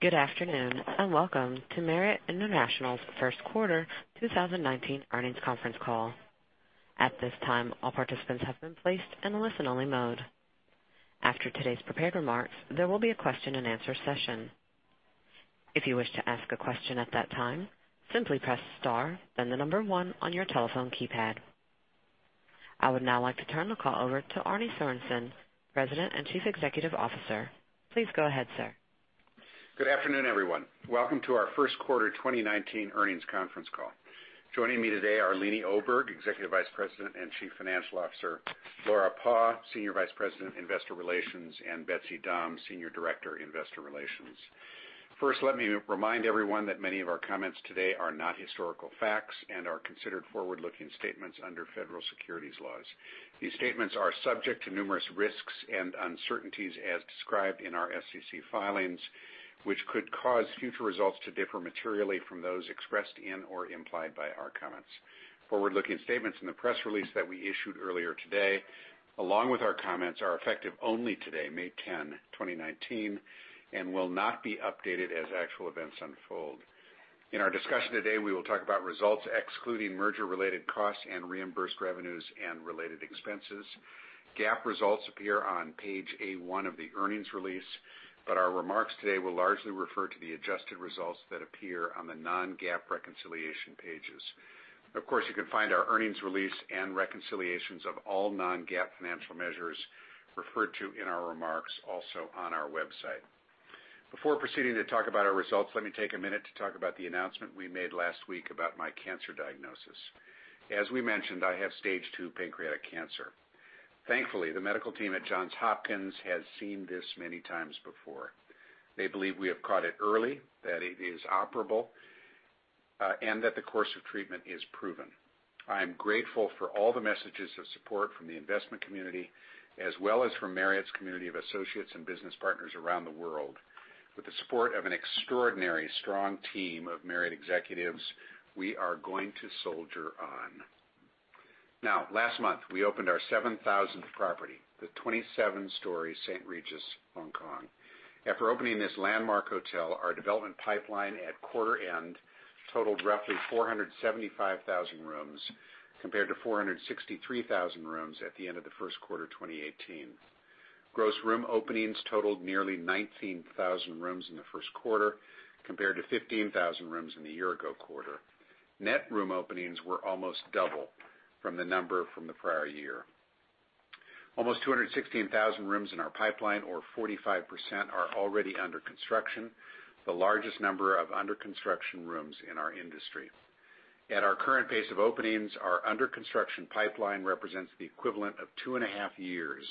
Good afternoon, and welcome to Marriott International's first quarter 2019 earnings conference call. At this time, all participants have been placed in listen-only mode. After today's prepared remarks, there will be a question and answer session. If you wish to ask a question at that time, simply press star, then the number one on your telephone keypad. I would now like to turn the call over to Arne Sorenson, President and Chief Executive Officer. Please go ahead, sir. Good afternoon, everyone. Welcome to our first quarter 2019 earnings conference call. Joining me today are Leeny Oberg, Executive Vice President and Chief Financial Officer, Laura Paugh, Senior Vice President, Investor Relations, and Betsy Dahm, Senior Director, Investor Relations. First, let me remind everyone that many of our comments today are not historical facts and are considered forward-looking statements under federal securities laws. These statements are subject to numerous risks and uncertainties as described in our SEC filings, which could cause future results to differ materially from those expressed in or implied by our comments. Forward-looking statements in the press release that we issued earlier today, along with our comments, are effective only today, May 10, 2019, and will not be updated as actual events unfold. In our discussion today, we will talk about results excluding merger-related costs and reimbursed revenues and related expenses. GAAP results appear on page A1 of the earnings release, but our remarks today will largely refer to the adjusted results that appear on the non-GAAP reconciliation pages. Of course, you can find our earnings release and reconciliations of all non-GAAP financial measures referred to in our remarks also on our website. Before proceeding to talk about our results, let me take a minute to talk about the announcement we made last week about my cancer diagnosis. As we mentioned, I have stage 2 pancreatic cancer. Thankfully, the medical team at Johns Hopkins has seen this many times before. They believe we have caught it early, that it is operable, and that the course of treatment is proven. I am grateful for all the messages of support from the investment community, as well as from Marriott's community of associates and business partners around the world. With the support of an extraordinarily strong team of Marriott executives, we are going to soldier on. Now, last month, we opened our 7,000th property, the 27-story St. Regis Hong Kong. After opening this landmark hotel, our development pipeline at quarter end totaled roughly 475,000 rooms, compared to 463,000 rooms at the end of the first quarter 2018. Gross room openings totaled nearly 19,000 rooms in the first quarter, compared to 15,000 rooms in the year-ago quarter. Net room openings were almost double from the number from the prior year. Almost 216,000 rooms in our pipeline, or 45%, are already under construction, the largest number of under-construction rooms in our industry. At our current pace of openings, our under-construction pipeline represents the equivalent of two and a half years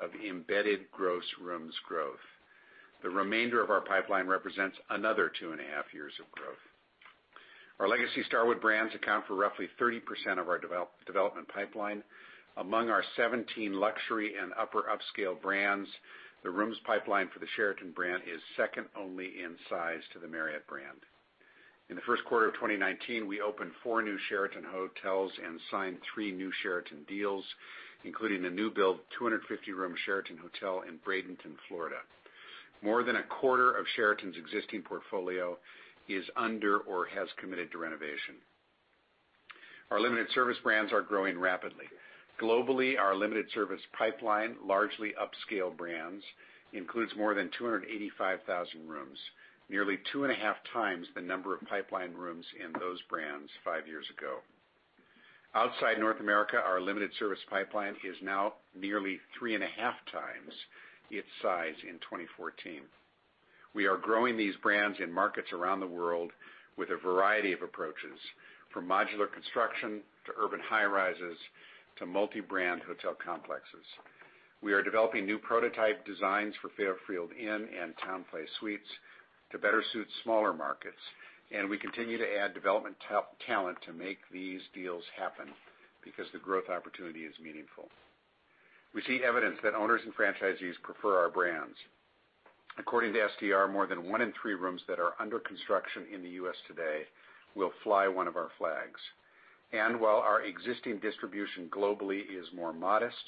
of embedded gross rooms growth. The remainder of our pipeline represents another two and a half years of growth. Our legacy Starwood brands account for roughly 30% of our development pipeline. Among our 17 luxury and upper upscale brands, the rooms pipeline for the Sheraton brand is second only in size to the Marriott brand. In the first quarter of 2019, we opened four new Sheraton hotels and signed three new Sheraton deals, including a new build 250-room Sheraton Hotel in Bradenton, Florida. More than a quarter of Sheraton's existing portfolio is under or has committed to renovation. Our limited service brands are growing rapidly. Globally, our limited service pipeline, largely upscale brands, includes more than 285,000 rooms, nearly two and a half times the number of pipeline rooms in those brands five years ago. Outside North America, our limited service pipeline is now nearly three and a half times its size in 2014. We are growing these brands in markets around the world with a variety of approaches, from modular construction to urban high rises to multi-brand hotel complexes. We are developing new prototype designs for Fairfield Inn and TownePlace Suites to better suit smaller markets, and we continue to add development talent to make these deals happen because the growth opportunity is meaningful. We see evidence that owners and franchisees prefer our brands. According to STR, more than one in three rooms that are under construction in the U.S. today will fly one of our flags. While our existing distribution globally is more modest,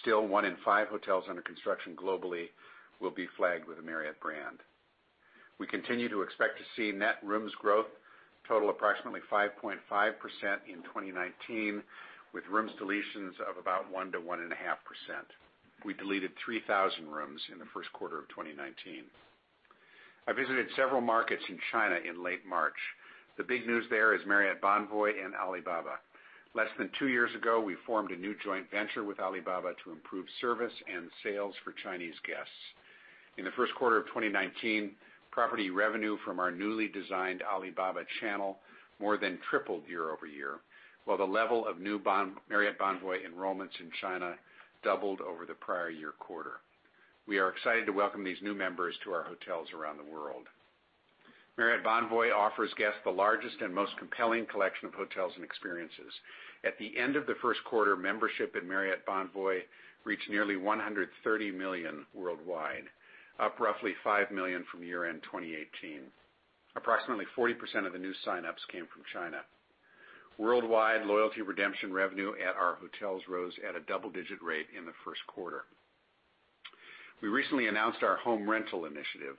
still, one in five hotels under construction globally will be flagged with a Marriott brand. We continue to expect to see net rooms growth total approximately 5.5% in 2019, with rooms deletions of about 1%-1.5%. We deleted 3,000 rooms in the first quarter of 2019. I visited several markets in China in late March. The big news there is Marriott Bonvoy and Alibaba. Less than two years ago, we formed a new joint venture with Alibaba to improve service and sales for Chinese guests. In the first quarter of 2019, property revenue from our newly designed Alibaba channel more than tripled year-over-year, while the level of new Marriott Bonvoy enrollments in China doubled over the prior year quarter. We are excited to welcome these new members to our hotels around the world. Marriott Bonvoy offers guests the largest and most compelling collection of hotels and experiences. At the end of the first quarter, membership in Marriott Bonvoy reached nearly 130 million worldwide, up roughly five million from year-end 2018. Approximately 40% of the new signups came from China. Worldwide loyalty redemption revenue at our hotels rose at a double-digit rate in the first quarter. We recently announced our home rental initiative.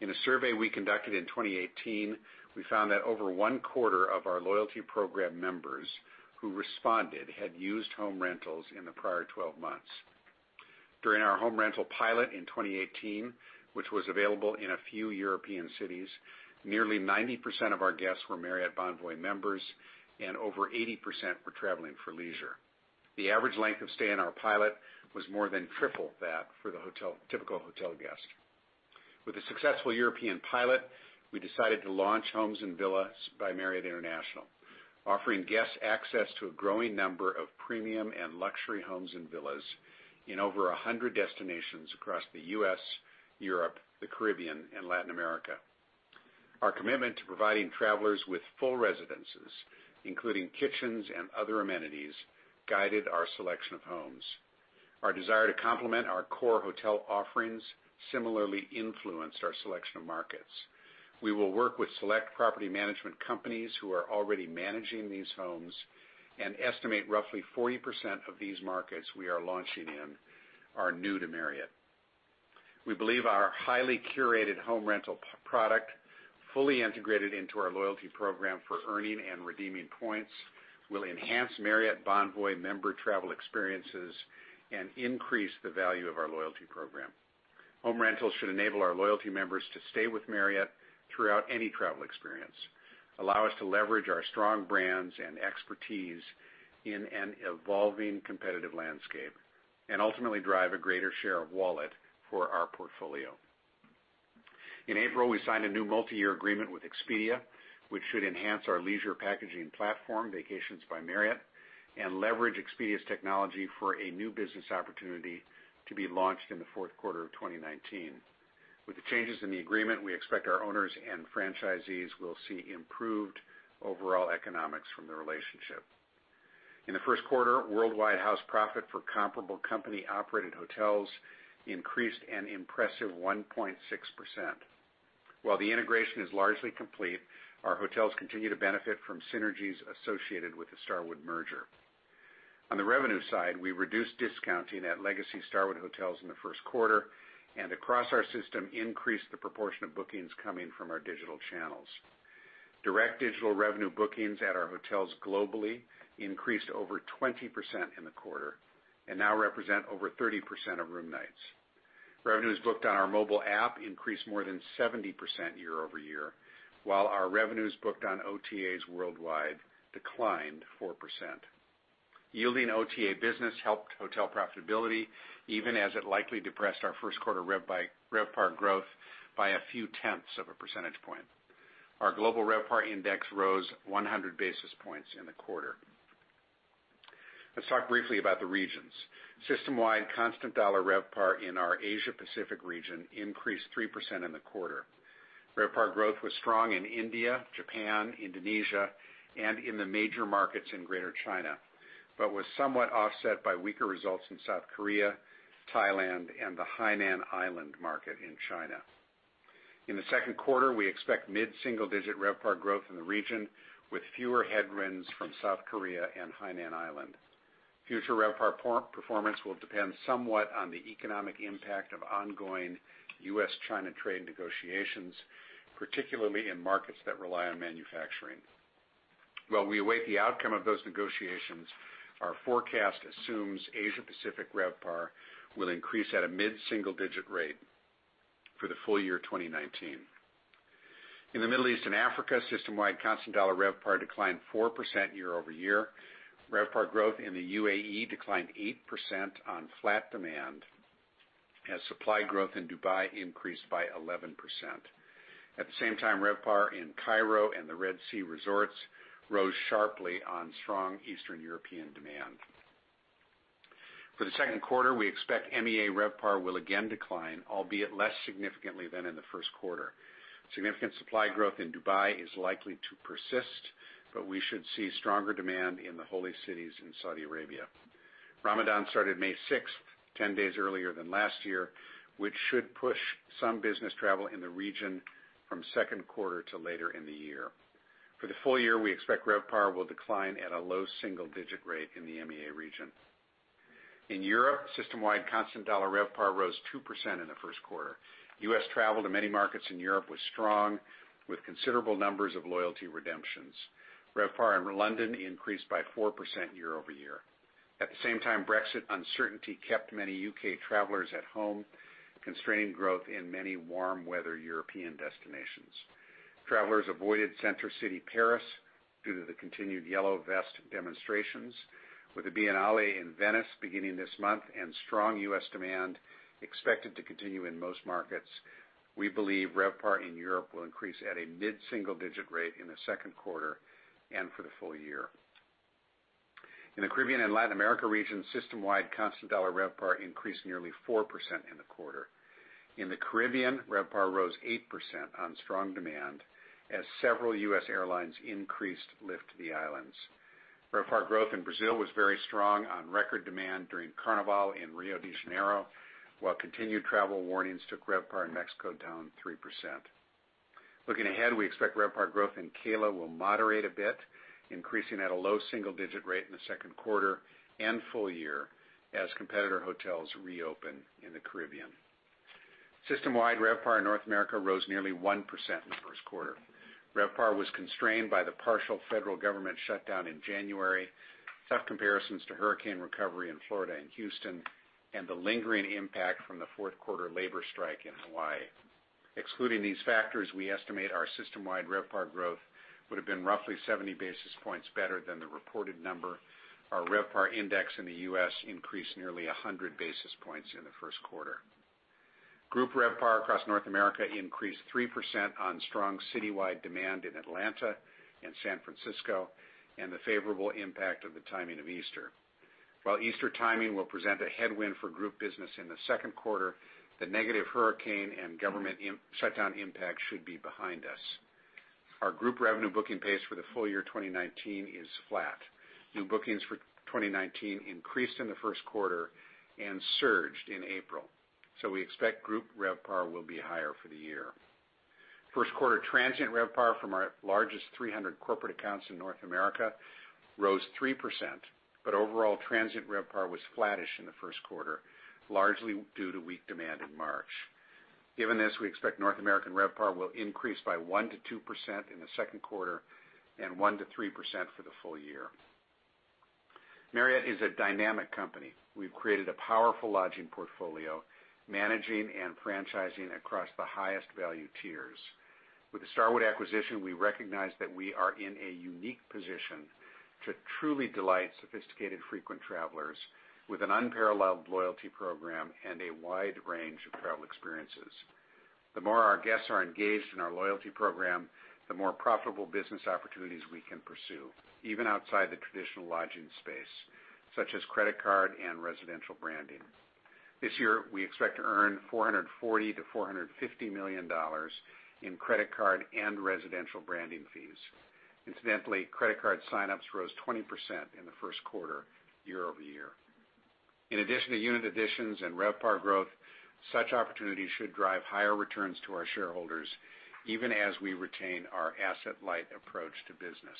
In a survey we conducted in 2018, we found that over one-quarter of our loyalty program members who responded had used home rentals in the prior 12 months. During our home rental pilot in 2018, which was available in a few European cities, nearly 90% of our guests were Marriott Bonvoy members and over 80% were traveling for leisure. The average length of stay in our pilot was more than triple that for the typical hotel guest. With a successful European pilot, we decided to launch Homes & Villas by Marriott International, offering guests access to a growing number of premium and luxury homes and villas in over 100 destinations across the U.S., Europe, the Caribbean, and Latin America. Our commitment to providing travelers with full residences, including kitchens and other amenities, guided our selection of homes. Our desire to complement our core hotel offerings similarly influenced our selection of markets. We will work with select property management companies who are already managing these homes and estimate roughly 40% of these markets we are launching in are new to Marriott. We believe our highly curated home rental product, fully integrated into our loyalty program for earning and redeeming points, will enhance Marriott Bonvoy member travel experiences and increase the value of our loyalty program. Home rentals should enable our loyalty members to stay with Marriott throughout any travel experience, allow us to leverage our strong brands and expertise in an evolving competitive landscape, and ultimately drive a greater share of wallet for our portfolio. In April, we signed a new multiyear agreement with Expedia, which should enhance our leisure packaging platform, Vacations by Marriott, and leverage Expedia's technology for a new business opportunity to be launched in the fourth quarter of 2019. With the changes in the agreement, we expect our owners and franchisees will see improved overall economics from the relationship. In the first quarter, worldwide house profit for comparable company-operated hotels increased an impressive 1.6%. While the integration is largely complete, our hotels continue to benefit from synergies associated with the Starwood merger. On the revenue side, we reduced discounting at legacy Starwood hotels in the first quarter, and across our system increased the proportion of bookings coming from our digital channels. Direct digital revenue bookings at our hotels globally increased over 20% in the quarter and now represent over 30% of room nights. Revenues booked on our mobile app increased more than 70% year-over-year, while our revenues booked on OTAs worldwide declined 4%. Yielding OTA business helped hotel profitability, even as it likely depressed our first quarter RevPAR growth by a few tenths of a percentage point. Our global RevPAR index rose 100 basis points in the quarter. Let's talk briefly about the regions. System-wide constant dollar RevPAR in our Asia Pacific region increased 3% in the quarter. RevPAR growth was strong in India, Japan, Indonesia, and in the major markets in Greater China, but was somewhat offset by weaker results in South Korea, Thailand, and the Hainan Island market in China. In the second quarter, we expect mid-single digit RevPAR growth in the region, with fewer headwinds from South Korea and Hainan Island. Future RevPAR performance will depend somewhat on the economic impact of ongoing U.S.-China trade negotiations, particularly in markets that rely on manufacturing. While we await the outcome of those negotiations, our forecast assumes Asia Pacific RevPAR will increase at a mid-single digit rate for the full year 2019. In the Middle East and Africa, system-wide constant dollar RevPAR declined 4% year-over-year. RevPAR growth in the UAE declined 8% on flat demand as supply growth in Dubai increased by 11%. At the same time, RevPAR in Cairo and the Red Sea resorts rose sharply on strong Eastern European demand. For the second quarter, we expect MEA RevPAR will again decline, albeit less significantly than in the first quarter. Significant supply growth in Dubai is likely to persist, but we should see stronger demand in the holy cities in Saudi Arabia. Ramadan started May 6th, 10 days earlier than last year, which should push some business travel in the region from second quarter to later in the year. For the full year, we expect RevPAR will decline at a low single digit rate in the MEA region. In Europe, system-wide constant dollar RevPAR rose 2% in the first quarter. U.S. travel to many markets in Europe was strong, with considerable numbers of loyalty redemptions. RevPAR in London increased by 4% year-over-year. At the same time, Brexit uncertainty kept many U.K. travelers at home, constraining growth in many warm weather European destinations. Travelers avoided center city Paris due to the continued Yellow Vest demonstrations. With the Biennale in Venice beginning this month and strong U.S. demand expected to continue in most markets, we believe RevPAR in Europe will increase at a mid-single digit rate in the second quarter and for the full year. In the Caribbean and Latin America region, system-wide constant dollar RevPAR increased nearly 4% in the quarter. In the Caribbean, RevPAR rose 8% on strong demand as several U.S. airlines increased lift to the islands. RevPAR growth in Brazil was very strong on record demand during Carnival in Rio de Janeiro, while continued travel warnings took RevPAR in Mexico down 3%. Looking ahead, we expect RevPAR growth in CALA will moderate a bit, increasing at a low single-digit rate in the second quarter and full year as competitor hotels reopen in the Caribbean. System-wide RevPAR in North America rose nearly 1% in the first quarter. RevPAR was constrained by the partial federal government shutdown in January, tough comparisons to hurricane recovery in Florida and Houston, and the lingering impact from the fourth quarter labor strike in Hawaii. Excluding these factors, we estimate our system-wide RevPAR growth would've been roughly 70 basis points better than the reported number. Our RevPAR index in the U.S. increased nearly 100 basis points in the first quarter. Group RevPAR across North America increased 3% on strong citywide demand in Atlanta and San Francisco, and the favorable impact of the timing of Easter. While Easter timing will present a headwind for group business in the second quarter, the negative hurricane and government shutdown impact should be behind us. Our group revenue booking pace for the full year 2019 is flat. New bookings for 2019 increased in the first quarter and surged in April. We expect group RevPAR will be higher for the year. First quarter transient RevPAR from our largest 300 corporate accounts in North America rose 3%, overall transient RevPAR was flattish in the first quarter, largely due to weak demand in March. Given this, we expect North American RevPAR will increase by 1%-2% in the second quarter and 1%-3% for the full year. Marriott is a dynamic company. We've created a powerful lodging portfolio, managing and franchising across the highest value tiers. With the Starwood acquisition, we recognize that we are in a unique position to truly delight sophisticated frequent travelers with an unparalleled loyalty program and a wide range of travel experiences. The more our guests are engaged in our loyalty program, the more profitable business opportunities we can pursue, even outside the traditional lodging space, such as credit card and residential branding. This year, we expect to earn $440 million-$450 million in credit card and residential branding fees. Incidentally, credit card signups rose 20% in the first quarter year-over-year. In addition to unit additions and RevPAR growth, such opportunities should drive higher returns to our shareholders, even as we retain our asset light approach to business.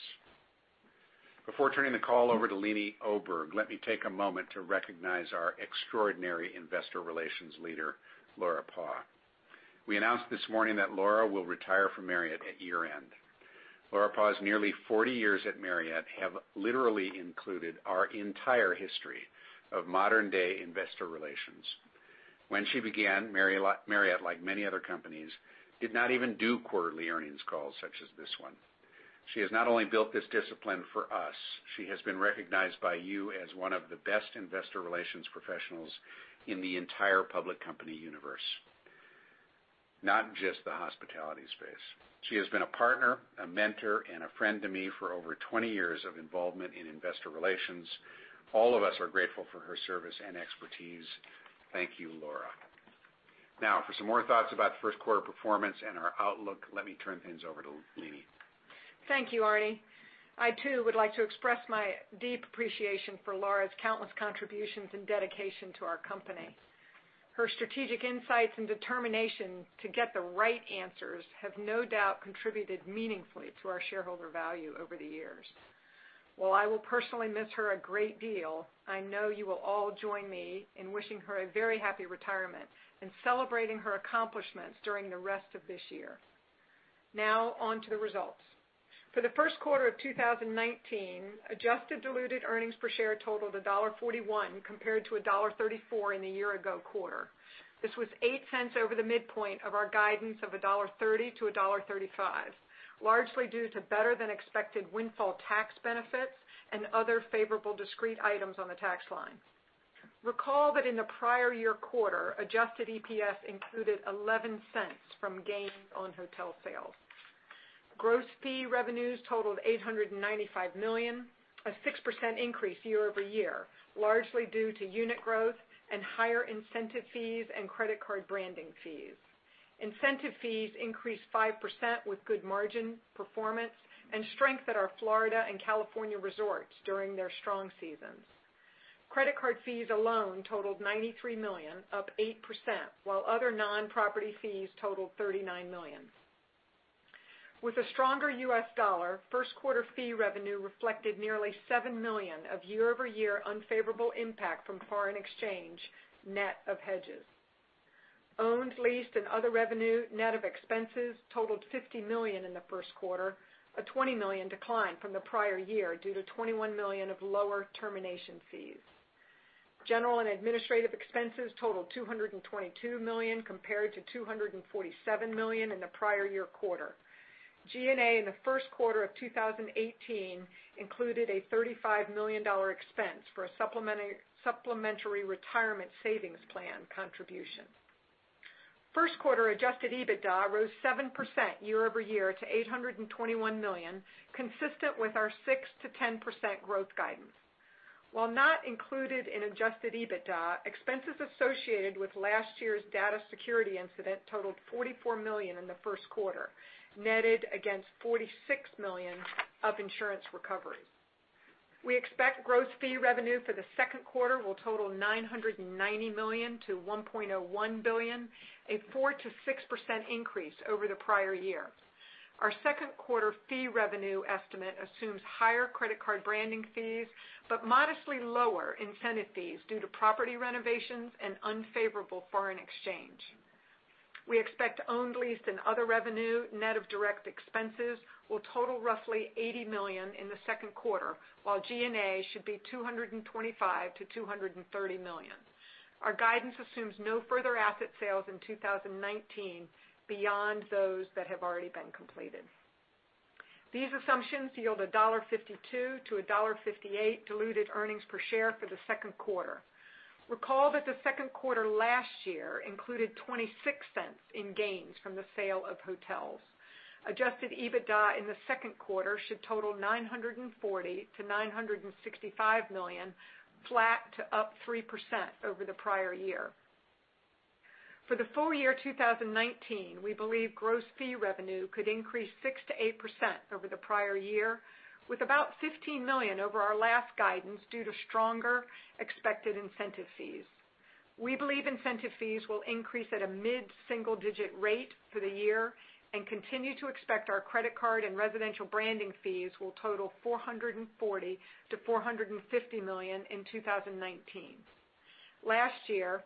Before turning the call over to Leeny Oberg, let me take a moment to recognize our extraordinary investor relations leader, Laura Paugh. We announced this morning that Laura will retire from Marriott at year-end. Laura Paugh's nearly 40 years at Marriott have literally included our entire history of modern-day investor relations. When she began, Marriott, like many other companies, did not even do quarterly earnings calls such as this one. She has not only built this discipline for us, she has been recognized by you as one of the best investor relations professionals in the entire public company universe, not just the hospitality space. She has been a partner, a mentor, and a friend to me for over 20 years of involvement in investor relations. All of us are grateful for her service and expertise. Thank you, Laura. Now, for some more thoughts about first quarter performance and our outlook, let me turn things over to Leeny. Thank you, Arne. I, too, would like to express my deep appreciation for Laura's countless contributions and dedication to our company. Her strategic insights and determination to get the right answers have no doubt contributed meaningfully to our shareholder value over the years. While I will personally miss her a great deal, I know you will all join me in wishing her a very happy retirement and celebrating her accomplishments during the rest of this year. Now on to the results. For the first quarter of 2019, adjusted diluted earnings per share totaled $1.41 compared to $1.34 in the year-ago quarter. This was $0.08 over the midpoint of our guidance of $1.30-$1.35, largely due to better than expected windfall tax benefits and other favorable discrete items on the tax line. Recall that in the prior year quarter, adjusted EPS included $0.11 from gains on hotel sales. Gross fee revenues totaled $895 million, a 6% increase year-over-year, largely due to unit growth and higher incentive fees and credit card branding fees. Incentive fees increased 5% with good margin performance and strength at our Florida and California resorts during their strong seasons. Credit card fees alone totaled $93 million, up 8%, while other non-property fees totaled $39 million. With a stronger U.S. dollar, first quarter fee revenue reflected nearly $7 million of year-over-year unfavorable impact from foreign exchange net of hedges. Owned, leased, and other revenue net of expenses totaled $50 million in the first quarter, a $20 million decline from the prior year due to $21 million of lower termination fees. General and administrative expenses totaled $222 million compared to $247 million in the prior year quarter. G&A in the first quarter of 2018 included a $35 million expense for a supplementary retirement savings plan contribution. First quarter Adjusted EBITDA rose 7% year-over-year to $821 million, consistent with our 6%-10% growth guidance. While not included in Adjusted EBITDA, expenses associated with last year's data security incident totaled $44 million in the first quarter, netted against $46 million of insurance recovery. We expect gross fee revenue for the second quarter will total $990 million-$1.01 billion, a 4%-6% increase over the prior year. Our second quarter fee revenue estimate assumes higher credit card branding fees, but modestly lower incentive fees due to property renovations and unfavorable foreign exchange. We expect owned, leased, and other revenue, net of direct expenses, will total roughly $80 million in the second quarter, while G&A should be $225 million-$230 million. Our guidance assumes no further asset sales in 2019 beyond those that have already been completed. These assumptions yield $1.52-$1.58 diluted earnings per share for the second quarter. Recall that the second quarter last year included $0.26 in gains from the sale of hotels. Adjusted EBITDA in the second quarter should total $940 million-$965 million, flat to up 3% over the prior year. For the full year 2019, we believe gross fee revenue could increase 6%-8% over the prior year, with about $15 million over our last guidance due to stronger expected incentive fees. We believe incentive fees will increase at a mid-single-digit rate for the year and continue to expect our credit card and residential branding fees will total $440 million-$450 million in 2019. Last year,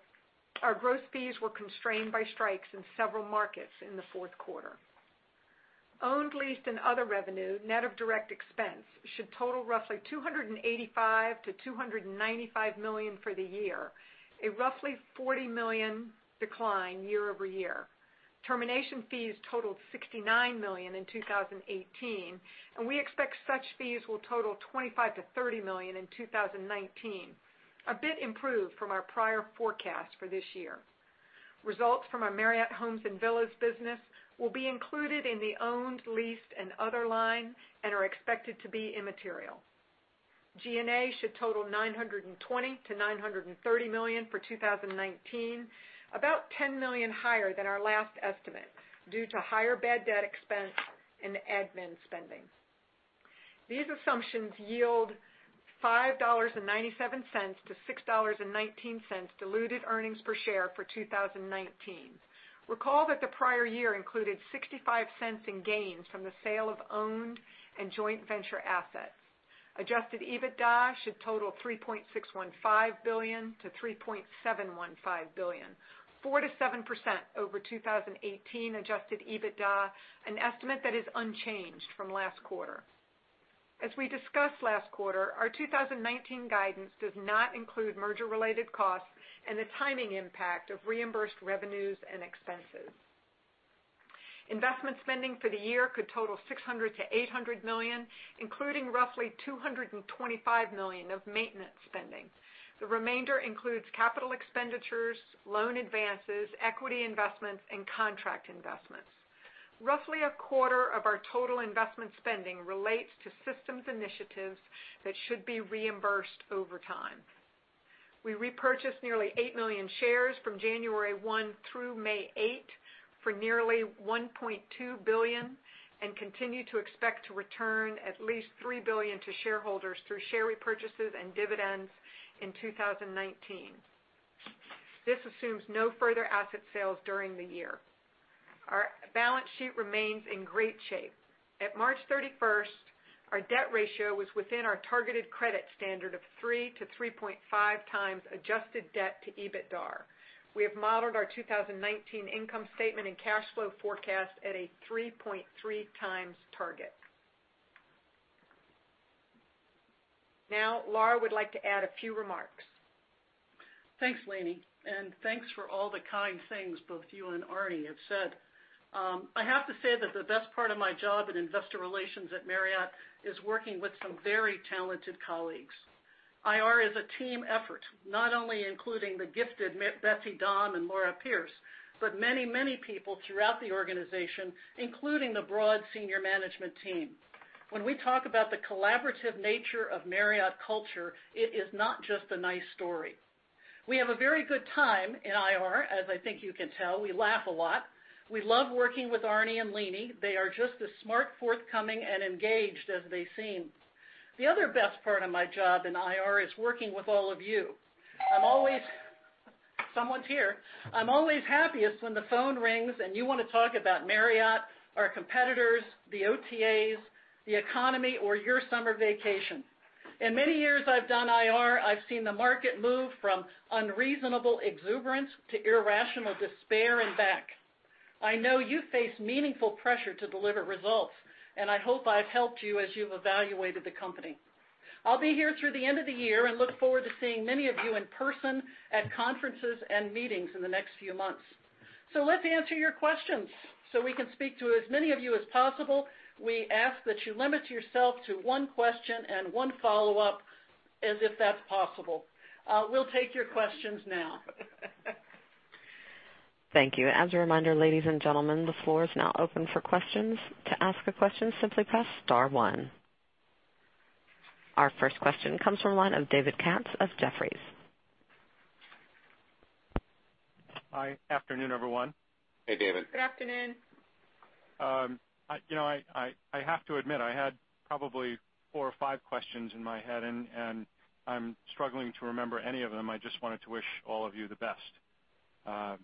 our gross fees were constrained by strikes in several markets in the fourth quarter. Owned, leased, and other revenue, net of direct expense, should total roughly $285 million-$295 million for the year, a roughly $40 million decline year-over-year. Termination fees totaled $69 million in 2018, and we expect such fees will total $25 million-$30 million in 2019, a bit improved from our prior forecast for this year. Results from our Marriott Homes & Villas business will be included in the owned, leased, and other line and are expected to be immaterial. G&A should total $920 million-$930 million for 2019, about $10 million higher than our last estimate due to higher bad debt expense and admin spending. These assumptions yield $5.97-$6.19 diluted earnings per share for 2019. Recall that the prior year included $0.65 in gains from the sale of owned and joint venture assets. Adjusted EBITDA should total $3.615 billion-$3.715 billion, 4%-7% over 2018 Adjusted EBITDA, an estimate that is unchanged from last quarter. As we discussed last quarter, our 2019 guidance does not include merger-related costs and the timing impact of reimbursed revenues and expenses. Investment spending for the year could total $600 million-$800 million, including roughly $225 million of maintenance spending. The remainder includes capital expenditures, loan advances, equity investments, and contract investments. Roughly a quarter of our total investment spending relates to systems initiatives that should be reimbursed over time. We repurchased nearly 8 million shares from January 1 through May 8 for nearly $1.2 billion and continue to expect to return at least $3 billion to shareholders through share repurchases and dividends in 2019. This assumes no further asset sales during the year. Our balance sheet remains in great shape. At March 31st, our debt ratio was within our targeted credit standard of 3-3.5 times adjusted debt to EBITDAR. We have modeled our 2019 income statement and cash flow forecast at a 3.3 times target. Laura would like to add a few remarks. Thanks, Leeny. Thanks for all the kind things both you and Arne have said. I have to say that the best part of my job in investor relations at Marriott is working with some very talented colleagues. IR is a team effort, not only including the gifted Betsy Dahm and Laura Paugh, but many, many people throughout the organization, including the broad senior management team. When we talk about the collaborative nature of Marriott culture, it is not just a nice story. We have a very good time in IR, as I think you can tell. We laugh a lot. We love working with Arne and Leeny. They are just as smart, forthcoming, and engaged as they seem. The other best part of my job in IR is working with all of you. Someone's here. I'm always happiest when the phone rings and you want to talk about Marriott, our competitors, the OTAs, the economy, or your summer vacation. In many years I've done IR, I've seen the market move from unreasonable exuberance to irrational despair and back. I know you face meaningful pressure to deliver results. I hope I've helped you as you've evaluated the company. I'll be here through the end of the year and look forward to seeing many of you in person at conferences and meetings in the next few months. Let's answer your questions. We can speak to as many of you as possible, we ask that you limit yourself to one question and one follow-up if that's possible. We'll take your questions now. Thank you. As a reminder, ladies and gentlemen, the floor is now open for questions. To ask a question, simply press star one. Our first question comes from the line of David Katz of Jefferies. Hi. Afternoon, everyone. Hey, David. Good afternoon. I have to admit, I had probably four or five questions in my head, and I'm struggling to remember any of them. I just wanted to wish all of you the best.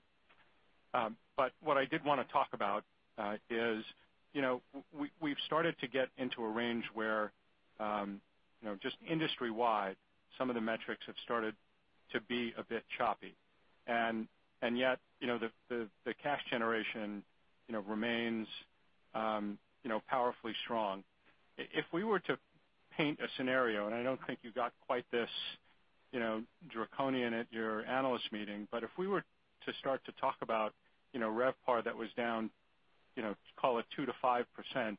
What I did want to talk about is, we've started to get into a range where, just industry-wide, some of the metrics have started to be a bit choppy. Yet, the cash generation remains powerfully strong. If we were to paint a scenario, and I don't think you got quite this draconian at your analyst meeting, but if we were to start to talk about RevPAR that was down, call it 2%-5%,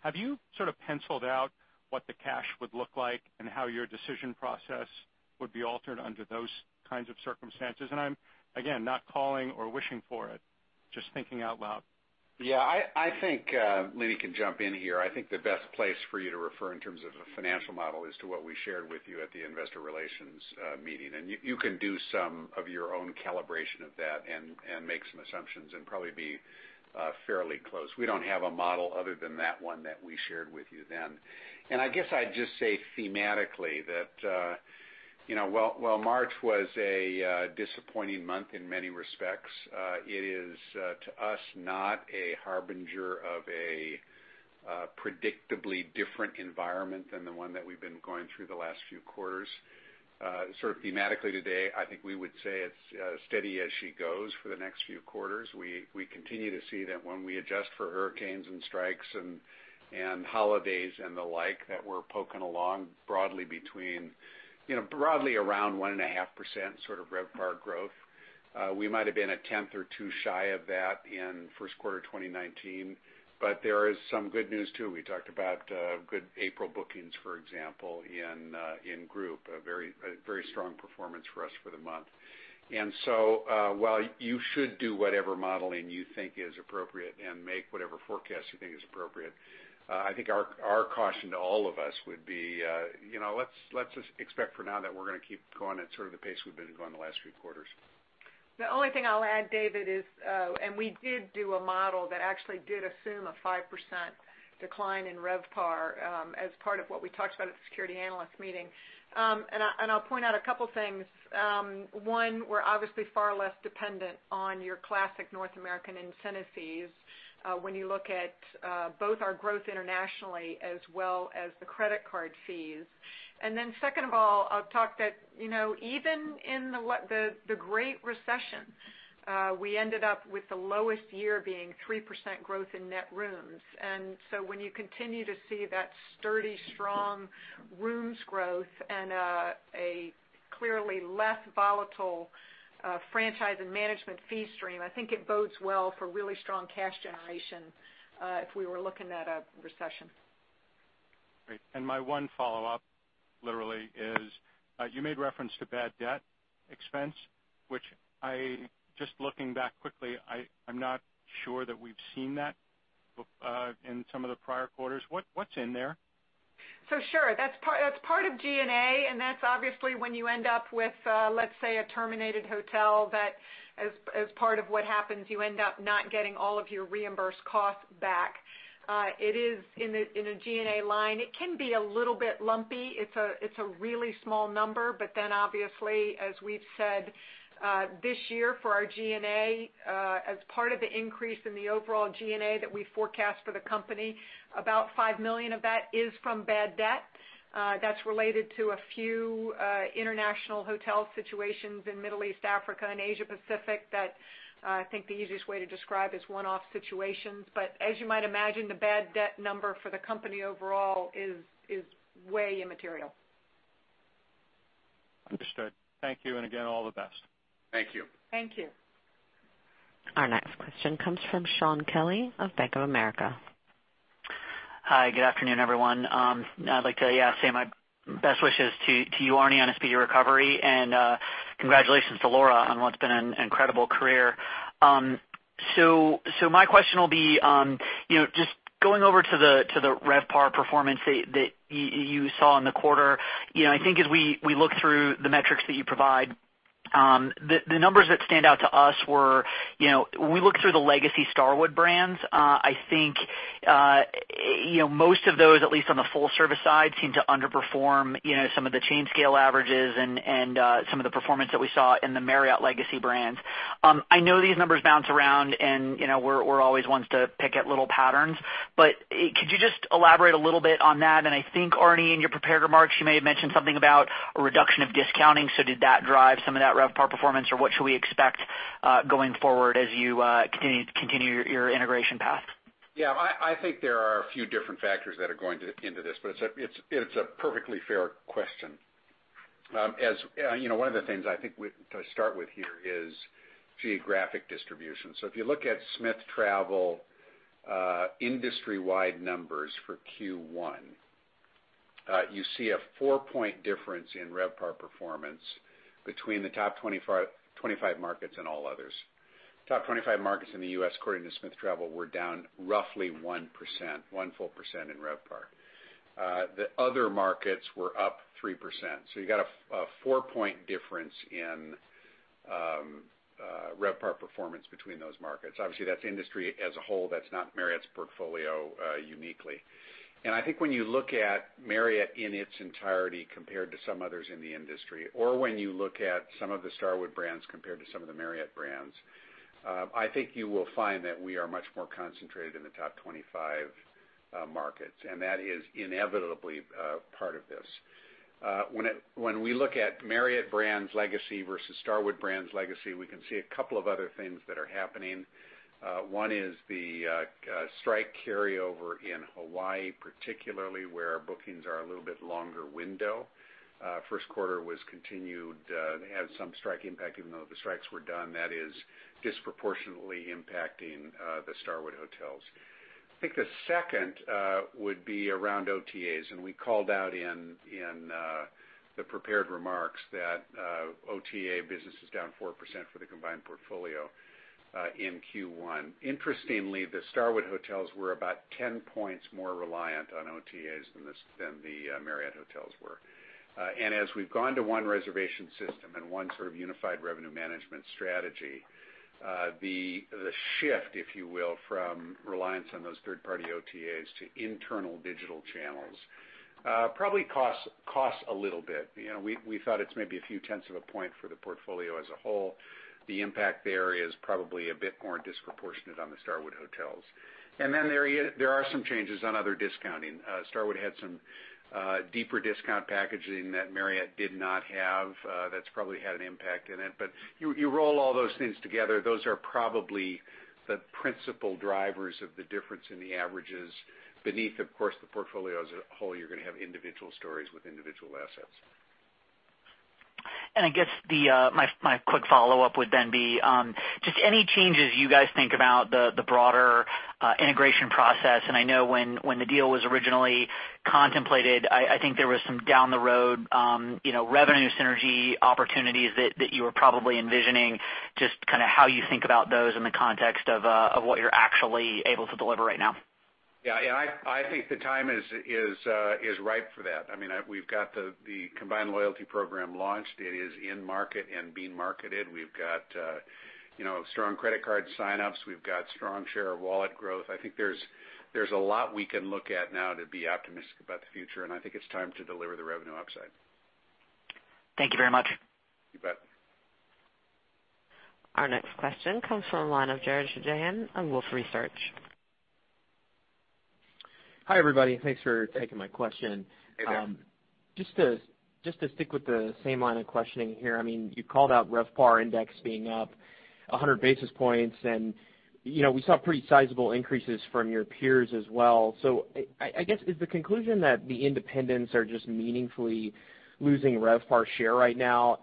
have you penciled out what the cash would look like and how your decision process would be altered under those kinds of circumstances? I'm, again, not calling or wishing for it, just thinking out loud. Yeah. Leeny can jump in here. I think the best place for you to refer in terms of a financial model is to what we shared with you at the investor relations meeting. You can do some of your own calibration of that and make some assumptions and probably be fairly close. We don't have a model other than that one that we shared with you then. I guess I'd just say thematically that while March was a disappointing month in many respects, it is, to us, not a harbinger of a predictably different environment than the one that we've been going through the last few quarters. Sort of thematically today, I think we would say it's steady as she goes for the next few quarters. We continue to see that when we adjust for hurricanes and strikes and holidays and the like, that we're poking along broadly around 1.5% RevPAR growth. We might have been a tenth or two shy of that in first quarter 2019, there is some good news, too. We talked about good April bookings, for example, in group, a very strong performance for us for the month. While you should do whatever modeling you think is appropriate and make whatever forecast you think is appropriate, I think our caution to all of us would be let's just expect for now that we're going to keep going at sort of the pace we've been going the last few quarters. The only thing I'll add, David, is we did do a model that actually did assume a 5% decline in RevPAR as part of what we talked about at the security analyst meeting. I'll point out a couple things. One, we're obviously far less dependent on your classic North American incentive fees when you look at both our growth internationally as well as the credit card fees. Second of all, I'll talk that even in the great recession, we ended up with the lowest year being 3% growth in net rooms. When you continue to see that sturdy, strong rooms growth and a clearly less volatile franchise and management fee stream, I think it bodes well for really strong cash generation if we were looking at a recession. Great. My one follow-up, literally, is you made reference to bad debt expense, which I just looking back quickly, I'm not sure that we've seen that in some of the prior quarters. What's in there? Sure. That's part of G&A. That's obviously when you end up with, let's say, a terminated hotel that as part of what happens, you end up not getting all of your reimbursed costs back. It is in a G&A line. It can be a little bit lumpy. It's a really small number. Obviously, as we've said this year for our G&A, as part of the increase in the overall G&A that we forecast for the company, about $5 million of that is from bad debt. That's related to a few international hotel situations in Middle East, Africa, and Asia Pacific that I think the easiest way to describe is one-off situations. As you might imagine, the bad debt number for the company overall is way immaterial. Understood. Thank you. Again, all the best. Thank you. Thank you. Our next question comes from Shaun Kelley of Bank of America. Hi. Good afternoon, everyone. I'd like to say my best wishes to you, Arne, on a speedy recovery, and congratulations to Laura on what's been an incredible career. My question will be just going over to the RevPAR performance that you saw in the quarter. I think as we look through the metrics that you provide, the numbers that stand out to us were when we look through the legacy Starwood brands, I think most of those, at least on the full service side, seem to underperform some of the chain scale averages and some of the performance that we saw in the Marriott legacy brands. I know these numbers bounce around and we're always ones to pick at little patterns, but could you just elaborate a little bit on that? I think, Arne, in your prepared remarks, you may have mentioned something about a reduction of discounting. Did that drive some of that RevPAR performance, or what should we expect going forward as you continue your integration path? Yeah. I think there are a few different factors that are going into this, but it's a perfectly fair question. One of the things I think to start with here is geographic distribution. If you look at Smith Travel industry-wide numbers for Q1, you see a four-point difference in RevPAR performance between the top 25 markets and all others. Top 25 markets in the U.S., according to Smith Travel, were down roughly 1%, 1% in RevPAR. The other markets were up 3%. You got a four-point difference in RevPAR performance between those markets. Obviously, that's industry as a whole. That's not Marriott's portfolio uniquely. I think when you look at Marriott in its entirety compared to some others in the industry, or when you look at some of the Starwood brands compared to some of the Marriott brands, I think you will find that we are much more concentrated in the top 25 markets, and that is inevitably part of this. When we look at Marriott brands legacy versus Starwood brands legacy, we can see a couple of other things that are happening. One is the strike carryover in Hawaii, particularly where bookings are a little bit longer window. First quarter had some strike impact even though the strikes were done, that is disproportionately impacting the Starwood hotels. The second would be around OTAs, and we called out in the prepared remarks that OTA business is down 4% for the combined portfolio in Q1. Interestingly, the Starwood hotels were about 10 points more reliant on OTAs than the Marriott hotels were. As we've gone to one reservation system and one sort of unified revenue management strategy, the shift, if you will, from reliance on those third-party OTAs to internal digital channels probably costs a little bit. We thought it's maybe a few tenths of a point for the portfolio as a whole. The impact there is probably a bit more disproportionate on the Starwood hotels. There are some changes on other discounting. Starwood had some deeper discount packaging that Marriott did not have. That's probably had an impact in it. You roll all those things together, those are probably the principal drivers of the difference in the averages. Beneath, of course, the portfolios as a whole, you're going to have individual stories with individual assets. My quick follow-up would then be, any changes you guys think about the broader integration process. When the deal was originally contemplated, there was some down the road revenue synergy opportunities that you were probably envisioning, how you think about those in the context of what you're actually able to deliver right now. Yeah. The time is ripe for that. We've got the combined loyalty program launched. It is in market and being marketed. We've got strong credit card sign-ups. We've got strong share of wallet growth. There's a lot we can look at now to be optimistic about the future. It's time to deliver the revenue upside. Thank you very much. You bet. Our next question comes from the line of Jared Shojaian of Wolfe Research. Hi, everybody. Thanks for taking my question. Hey, Jared. Just to stick with the same line of questioning here. You called out RevPAR index being up 100 basis points, we saw pretty sizable increases from your peers as well. I guess, is the conclusion that the independents are just meaningfully losing RevPAR share right now?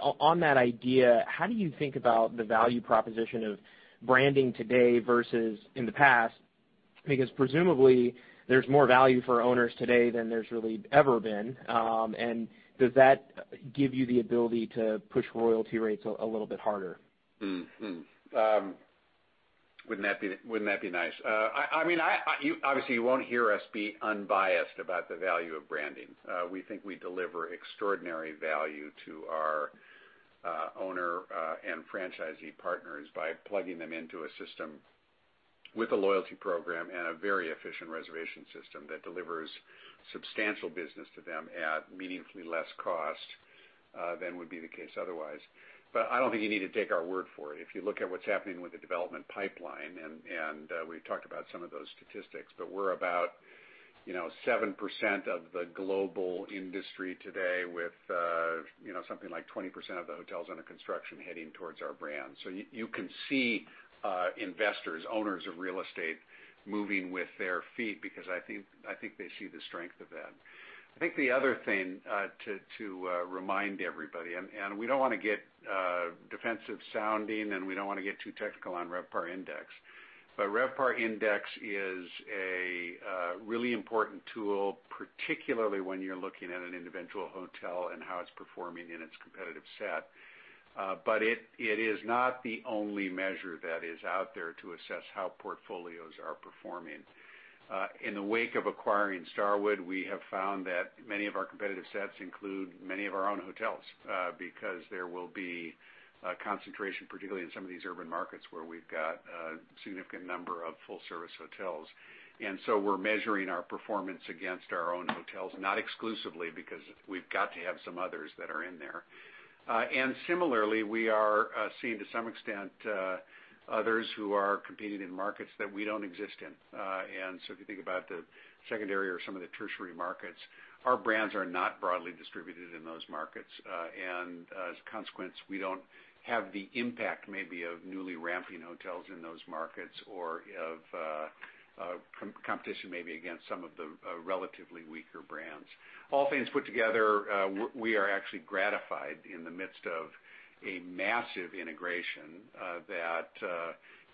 On that idea, how do you think about the value proposition of branding today versus in the past? Presumably there's more value for owners today than there's really ever been. Does that give you the ability to push royalty rates a little bit harder? Wouldn't that be nice? Obviously, you won't hear us be unbiased about the value of branding. We think we deliver extraordinary value to our owner and franchisee partners by plugging them into a system with a loyalty program and a very efficient reservation system that delivers substantial business to them at meaningfully less cost than would be the case otherwise. I don't think you need to take our word for it. If you look at what's happening with the development pipeline, we've talked about some of those statistics, we're about 7% of the global industry today with something like 20% of the hotels under construction heading towards our brand. You can see investors, owners of real estate, moving with their feet because I think they see the strength of that. I think the other thing to remind everybody, we don't want to get defensive sounding, we don't want to get too technical on RevPAR index, RevPAR index is a really important tool, particularly when you're looking at an individual hotel and how it's performing in its competitive set. It is not the only measure that is out there to assess how portfolios are performing. In the wake of acquiring Starwood, we have found that many of our competitive sets include many of our own hotels because there will be a concentration, particularly in some of these urban markets where we've got a significant number of full-service hotels. We're measuring our performance against our own hotels, not exclusively because we've got to have some others that are in there. Similarly, we are seeing to some extent others who are competing in markets that we don't exist in. If you think about the secondary or some of the tertiary markets, our brands are not broadly distributed in those markets. As a consequence, we don't have the impact maybe of newly ramping hotels in those markets or of competition maybe against some of the relatively weaker brands. All things put together, we are actually gratified in the midst of a massive integration that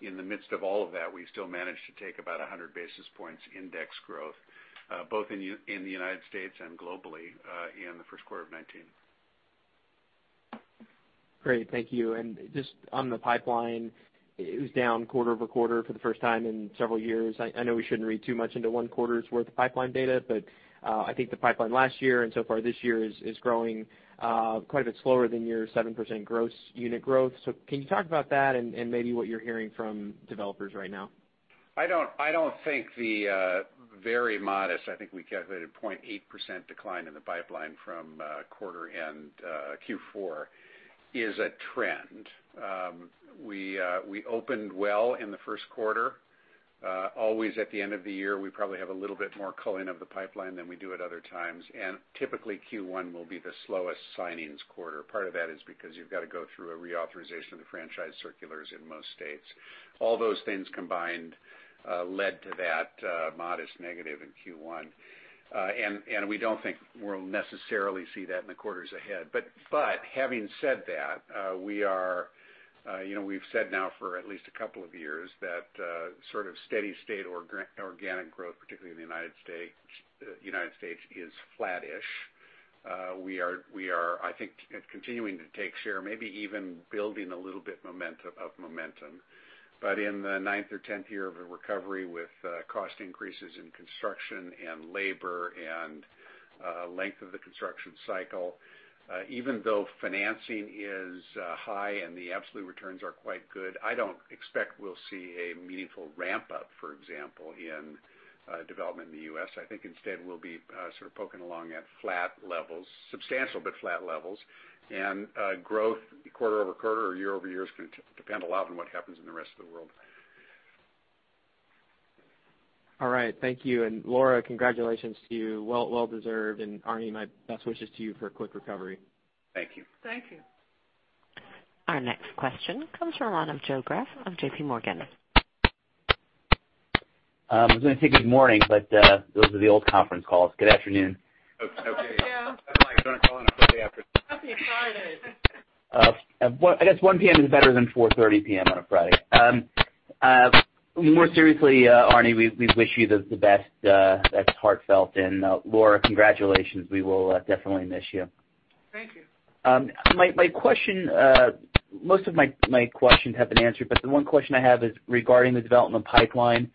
in the midst of all of that, we still managed to take about 100 basis points index growth both in the U.S. and globally in the first quarter of 2019. Great. Thank you. Just on the pipeline, it was down quarter-over-quarter for the first time in several years. I know we shouldn't read too much into one quarter's worth of pipeline data, but I think the pipeline last year and so far this year is growing quite a bit slower than your 7% gross unit growth. Can you talk about that and maybe what you're hearing from developers right now? I don't think the very modest, I think we calculated 0.8% decline in the pipeline from quarter end Q4 is a trend. We opened well in the first quarter. Always at the end of the year, we probably have a little bit more culling of the pipeline than we do at other times, and typically Q1 will be the slowest signings quarter. Part of that is because you've got to go through a reauthorization of the franchise circulars in most states. All those things combined led to that modest negative in Q1. We don't think we'll necessarily see that in the quarters ahead. Having said that, we've said now for at least a couple of years that sort of steady state or organic growth, particularly in the U.S., is flattish. We are, I think, continuing to take share, maybe even building a little bit of momentum. In the ninth or tenth year of a recovery with cost increases in construction and labor and length of the construction cycle, even though financing is high and the absolute returns are quite good, I don't expect we'll see a meaningful ramp-up, for example, in development in the U.S. I think instead, we'll be sort of poking along at flat levels, substantial but flat levels, and growth quarter-over-quarter or year-over-year is going to depend a lot on what happens in the rest of the world. All right. Thank you. Laura, congratulations to you. Well deserved. Arne, my best wishes to you for a quick recovery. Thank you. Thank you. Our next question comes from the line of Joe Greff of J.P. Morgan. I was going to say good morning. Those are the old conference calls. Good afternoon. Okay. Thank you. Sounds like you're on a Friday afternoon. Happy Friday. I guess 1:00 P.M. is better than 4:30 P.M. on a Friday. More seriously, Arne, we wish you the best. That's heartfelt. Laura, congratulations. We will definitely miss you. Thank you. Most of my questions have been answered, the one question I have is regarding the development pipeline.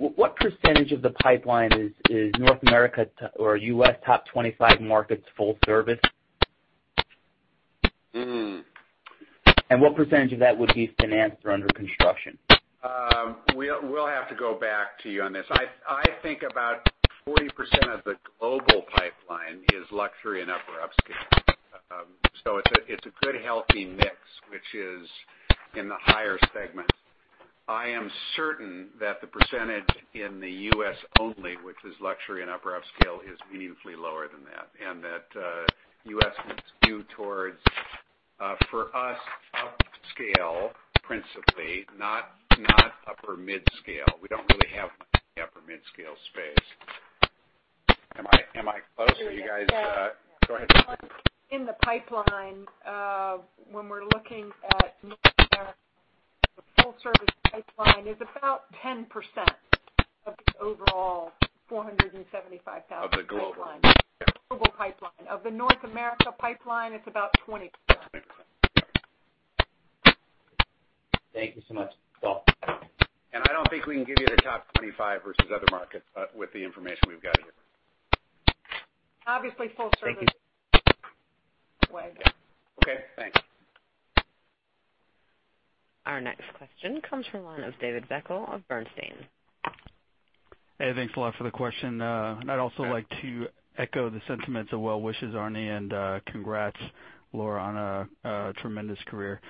What percentage of the pipeline is North America or U.S. top 25 markets full service? What percentage of that would be financed or under construction? We'll have to go back to you on this. I think about 40% of the global pipeline is luxury and upper upscale. It's a good, healthy mix, which is in the higher segments. I am certain that the percentage in the U.S. only, which is luxury and upper upscale, is meaningfully lower than that, and that U.S. is skewed towards, for us, upscale principally, not upper mid-scale. We don't really have much in the upper mid-scale space. Am I close? Go ahead. In the pipeline, when we're looking at North America, the full-service pipeline is about 10% of the overall 475,000 pipeline. Of the global. Global pipeline. Of the North America pipeline, it's about 20%. Thank you so much. I don't think we can give you the top 25 versus other markets with the information we've got here. Obviously full service Thank you. Way down. Okay, thanks. Our next question comes from the line of David Beckel of Bernstein. Hey, thanks a lot for the question. I'd also like to echo the sentiments of well wishes, Arne, and congrats, Laura, on a tremendous career.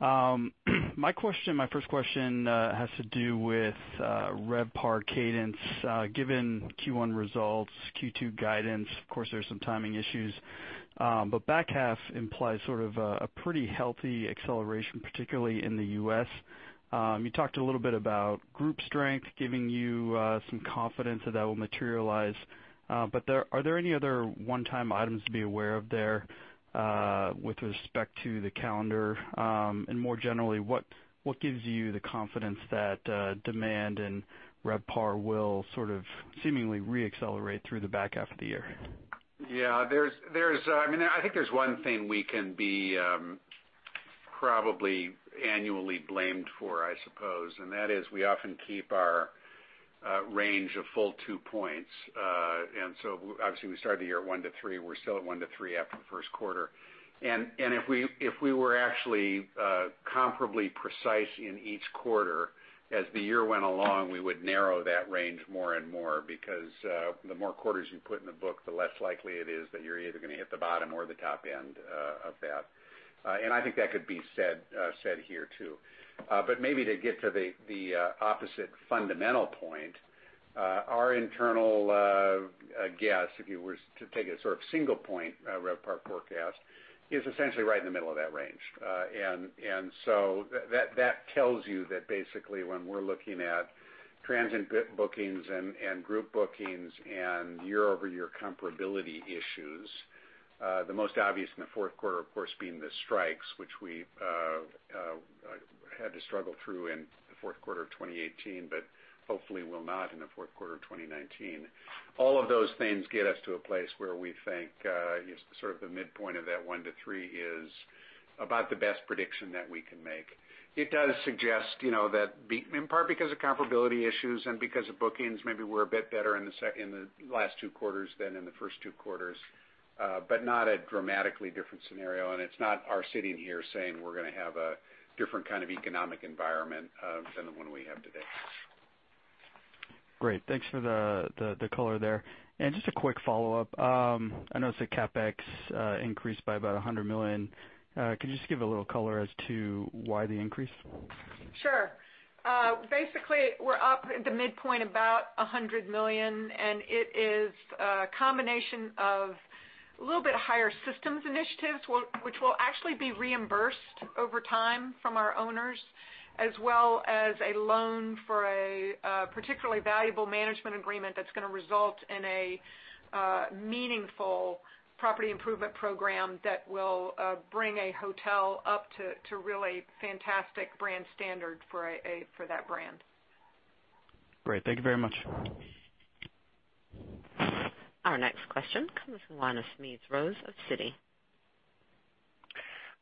My first question has to do with RevPAR cadence. Given Q1 results, Q2 guidance, of course, there's some timing issues. Back half implies sort of a pretty healthy acceleration, particularly in the U.S. You talked a little bit about group strength giving you some confidence that that will materialize. Are there any other one-time items to be aware of there with respect to the calendar? And more generally, what gives you the confidence that demand and RevPAR will sort of seemingly re-accelerate through the back half of the year? Yeah. I think there's one thing we can be probably annually blamed for, I suppose, and that is we often keep our range a full two points. Obviously we started the year at one to three, we're still at one to three after the first quarter. If we were actually comparably precise in each quarter as the year went along, we would narrow that range more and more because the more quarters you put in the book, the less likely it is that you're either going to hit the bottom or the top end of that. I think that could be said here, too. Maybe to get to the opposite fundamental point, our internal guess, if you were to take a sort of single point RevPAR forecast, is essentially right in the middle of that range. That tells you that basically when we're looking at Transient bookings and group bookings and year-over-year comparability issues. The most obvious in the fourth quarter, of course, being the strikes, which we had to struggle through in the fourth quarter of 2018, but hopefully will not in the fourth quarter of 2019. All of those things get us to a place where we think sort of the midpoint of that one to three is about the best prediction that we can make. It does suggest that in part because of comparability issues and because of bookings, maybe we're a bit better in the last two quarters than in the first two quarters, but not a dramatically different scenario. It's not us sitting here saying we're going to have a different kind of economic environment than the one we have today. Great. Thanks for the color there. Just a quick follow-up. I noticed that CapEx increased by about $100 million. Could you just give a little color as to why the increase? Sure. Basically, we're up at the midpoint about $100 million. It is a combination of a little bit higher systems initiatives, which will actually be reimbursed over time from our owners, as well as a loan for a particularly valuable management agreement that's going to result in a meaningful property improvement program that will bring a hotel up to really fantastic brand standard for that brand. Great. Thank you very much. Our next question comes from Smedes Rose of Citi.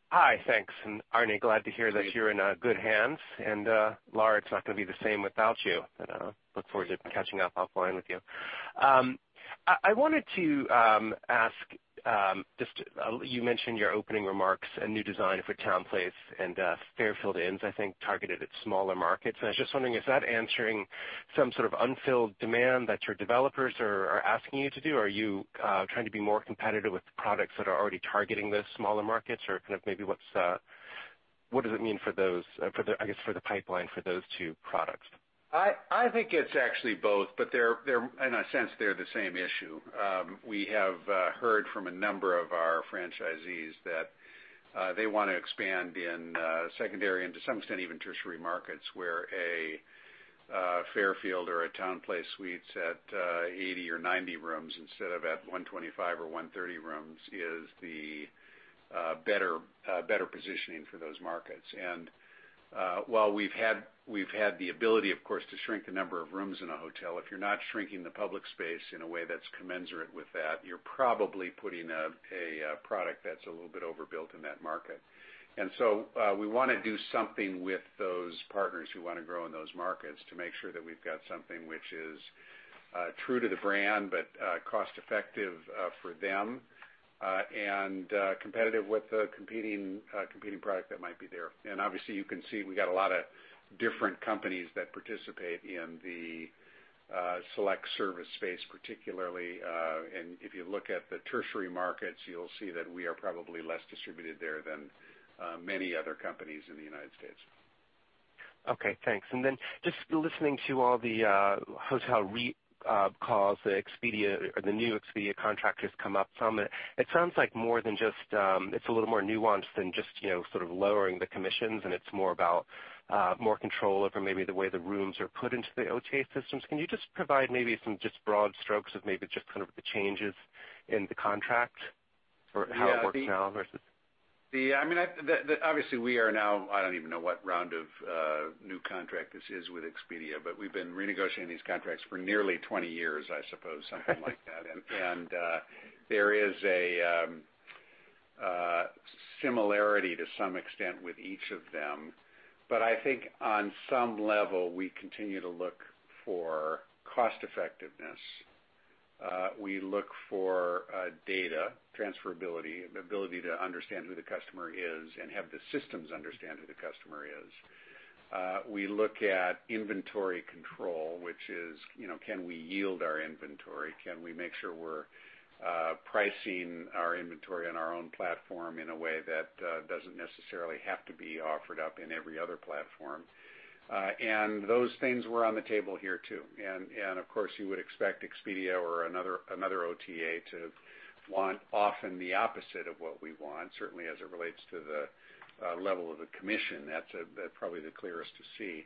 Hi. Thanks. Arne, glad to hear that you're in good hands. Laura, it's not going to be the same without you, but look forward to catching up offline with you. I wanted to ask, you mentioned in your opening remarks a new design for TownePlace and Fairfield Inns, I think targeted at smaller markets. I was just wondering, is that answering some sort of unfilled demand that your developers are asking you to do? Are you trying to be more competitive with products that are already targeting those smaller markets? What does it mean for the pipeline for those two products? I think it's actually both, but in a sense, they're the same issue. We have heard from a number of our franchisees that they want to expand in secondary and to some extent even tertiary markets where a Fairfield or a TownePlace Suites at 80 or 90 rooms instead of at 125 or 130 rooms is the better positioning for those markets. While we've had the ability, of course, to shrink the number of rooms in a hotel, if you're not shrinking the public space in a way that's commensurate with that, you're probably putting a product that's a little bit overbuilt in that market. We want to do something with those partners who want to grow in those markets to make sure that we've got something which is true to the brand, but cost effective for them, and competitive with the competing product that might be there. Obviously, you can see we got a lot of different companies that participate in the select service space, particularly. If you look at the tertiary markets, you'll see that we are probably less distributed there than many other companies in the United States. Okay, thanks. Just listening to all the hotel REIT calls, the new Expedia contract has come up some. It sounds like it's a little more nuanced than just sort of lowering the commissions, and it's more about more control over maybe the way the rooms are put into the OTA systems. Can you just provide maybe some just broad strokes of maybe just kind of the changes in the contract or how it works now versus- Obviously, we are now, I don't even know what round of new contract this is with Expedia, but we've been renegotiating these contracts for nearly 20 years, I suppose, something like that. There is a similarity to some extent with each of them. I think on some level, we continue to look for cost effectiveness. We look for data transferability, the ability to understand who the customer is and have the systems understand who the customer is. We look at inventory control, which is can we yield our inventory? Can we make sure we're pricing our inventory on our own platform in a way that doesn't necessarily have to be offered up in every other platform? Those things were on the table here, too. Of course, you would expect Expedia or another OTA to want often the opposite of what we want, certainly as it relates to the level of the commission. That's probably the clearest to see.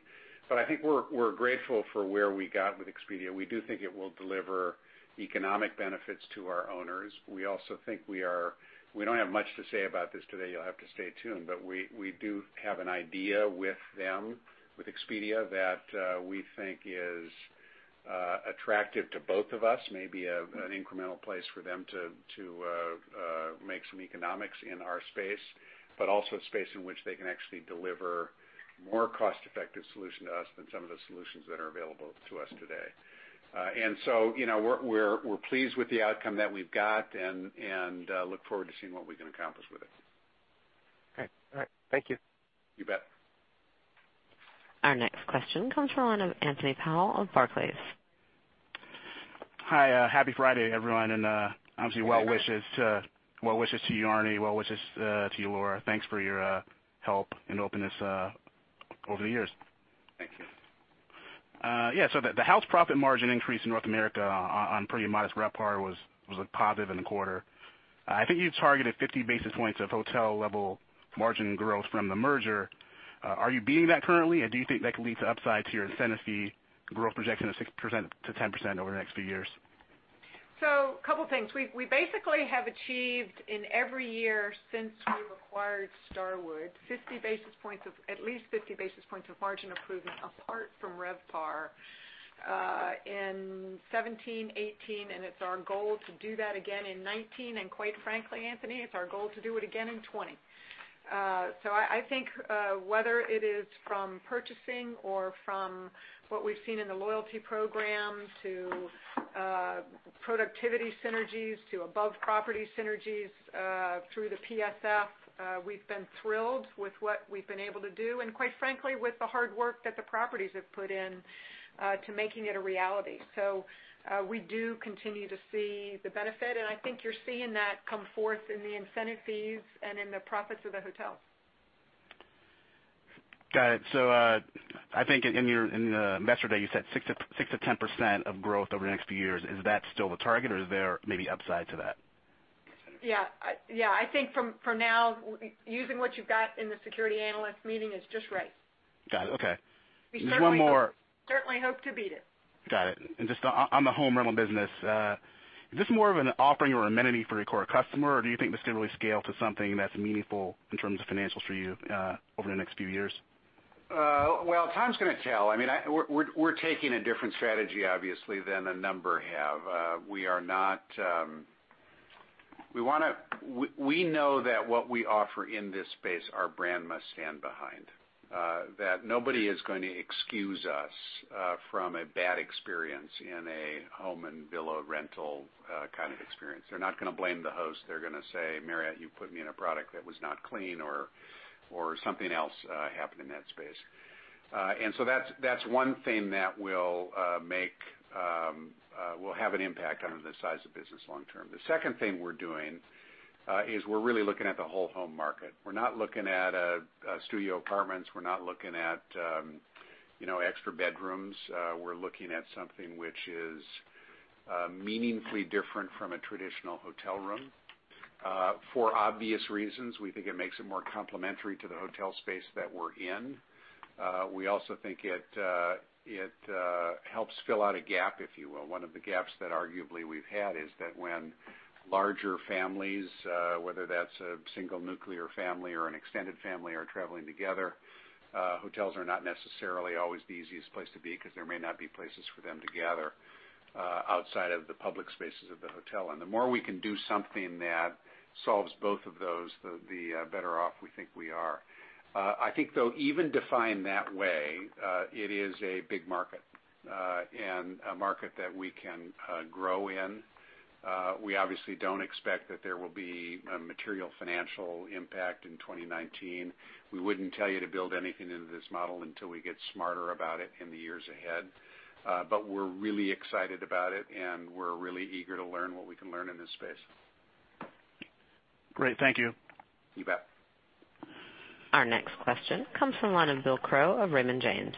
I think we're grateful for where we got with Expedia. We do think it will deliver economic benefits to our owners. We don't have much to say about this today, you'll have to stay tuned, but we do have an idea with them, with Expedia, that we think is attractive to both of us, maybe an incremental place for them to make some economics in our space, but also a space in which they can actually deliver more cost-effective solution to us than some of the solutions that are available to us today. We're pleased with the outcome that we've got and look forward to seeing what we can accomplish with it. Okay. All right. Thank you. You bet. Our next question comes from the line of Anthony Powell of Barclays. Hi. Happy Friday, everyone, and obviously well wishes to you, Arne. Well wishes to you, Laura. Thanks for your help and openness over the years. Thank you. Yeah. The house profit margin increase in North America on pretty modest RevPAR was positive in the quarter. I think you've targeted 50 basis points of hotel level margin growth from the merger. Are you beating that currently, or do you think that could lead to upside to your incentive fee growth projection of 6%-10% over the next few years? A couple things. We basically have achieved in every year since we acquired Starwood, at least 50 basis points of margin improvement apart from RevPAR in 2017, 2018. It's our goal to do that again in 2019. Quite frankly, Anthony, it's our goal to do it again in 2020. I think whether it is from purchasing or from what we've seen in the loyalty program to productivity synergies to above property synergies through the PSF, we've been thrilled with what we've been able to do and quite frankly, with the hard work that the properties have put in to making it a reality. We do continue to see the benefit, and I think you're seeing that come forth in the incentive fees and in the profits of the hotels. Got it. I think in the investor day you said 6%-10% of growth over the next few years. Is that still the target or is there maybe upside to that? Yeah. I think for now, using what you've got in the security analyst meeting is just right. Got it. Okay. Just one more. We certainly hope to beat it. Got it. Just on the home rental business, is this more of an offering or amenity for your core customer, or do you think this can really scale to something that's meaningful in terms of financials for you over the next few years? Well, time's going to tell. We're taking a different strategy, obviously, than a number have. We know that what we offer in this space, our brand must stand behind, that nobody is going to excuse us from a bad experience in a home and villa rental kind of experience. They're not going to blame the host. They're going to say, "Marriott, you put me in a product that was not clean," or something else happened in that space. That's one thing that will have an impact on the size of business long term. The second thing we're doing, is we're really looking at the whole home market. We're not looking at studio apartments, we're not looking at extra bedrooms. We're looking at something which is meaningfully different from a traditional hotel room. For obvious reasons, we think it makes it more complementary to the hotel space that we're in. We also think it helps fill out a gap, if you will. One of the gaps that arguably we've had is that when larger families, whether that's a single nuclear family or an extended family, are traveling together, hotels are not necessarily always the easiest place to be because there may not be places for them to gather outside of the public spaces of the hotel. The more we can do something that solves both of those, the better off we think we are. I think though, even defined that way, it is a big market, and a market that we can grow in. We obviously don't expect that there will be a material financial impact in 2019. We wouldn't tell you to build anything into this model until we get smarter about it in the years ahead. We're really excited about it, and we're really eager to learn what we can learn in this space. Great. Thank you. You bet. Our next question comes from the line of William Crow of Raymond James.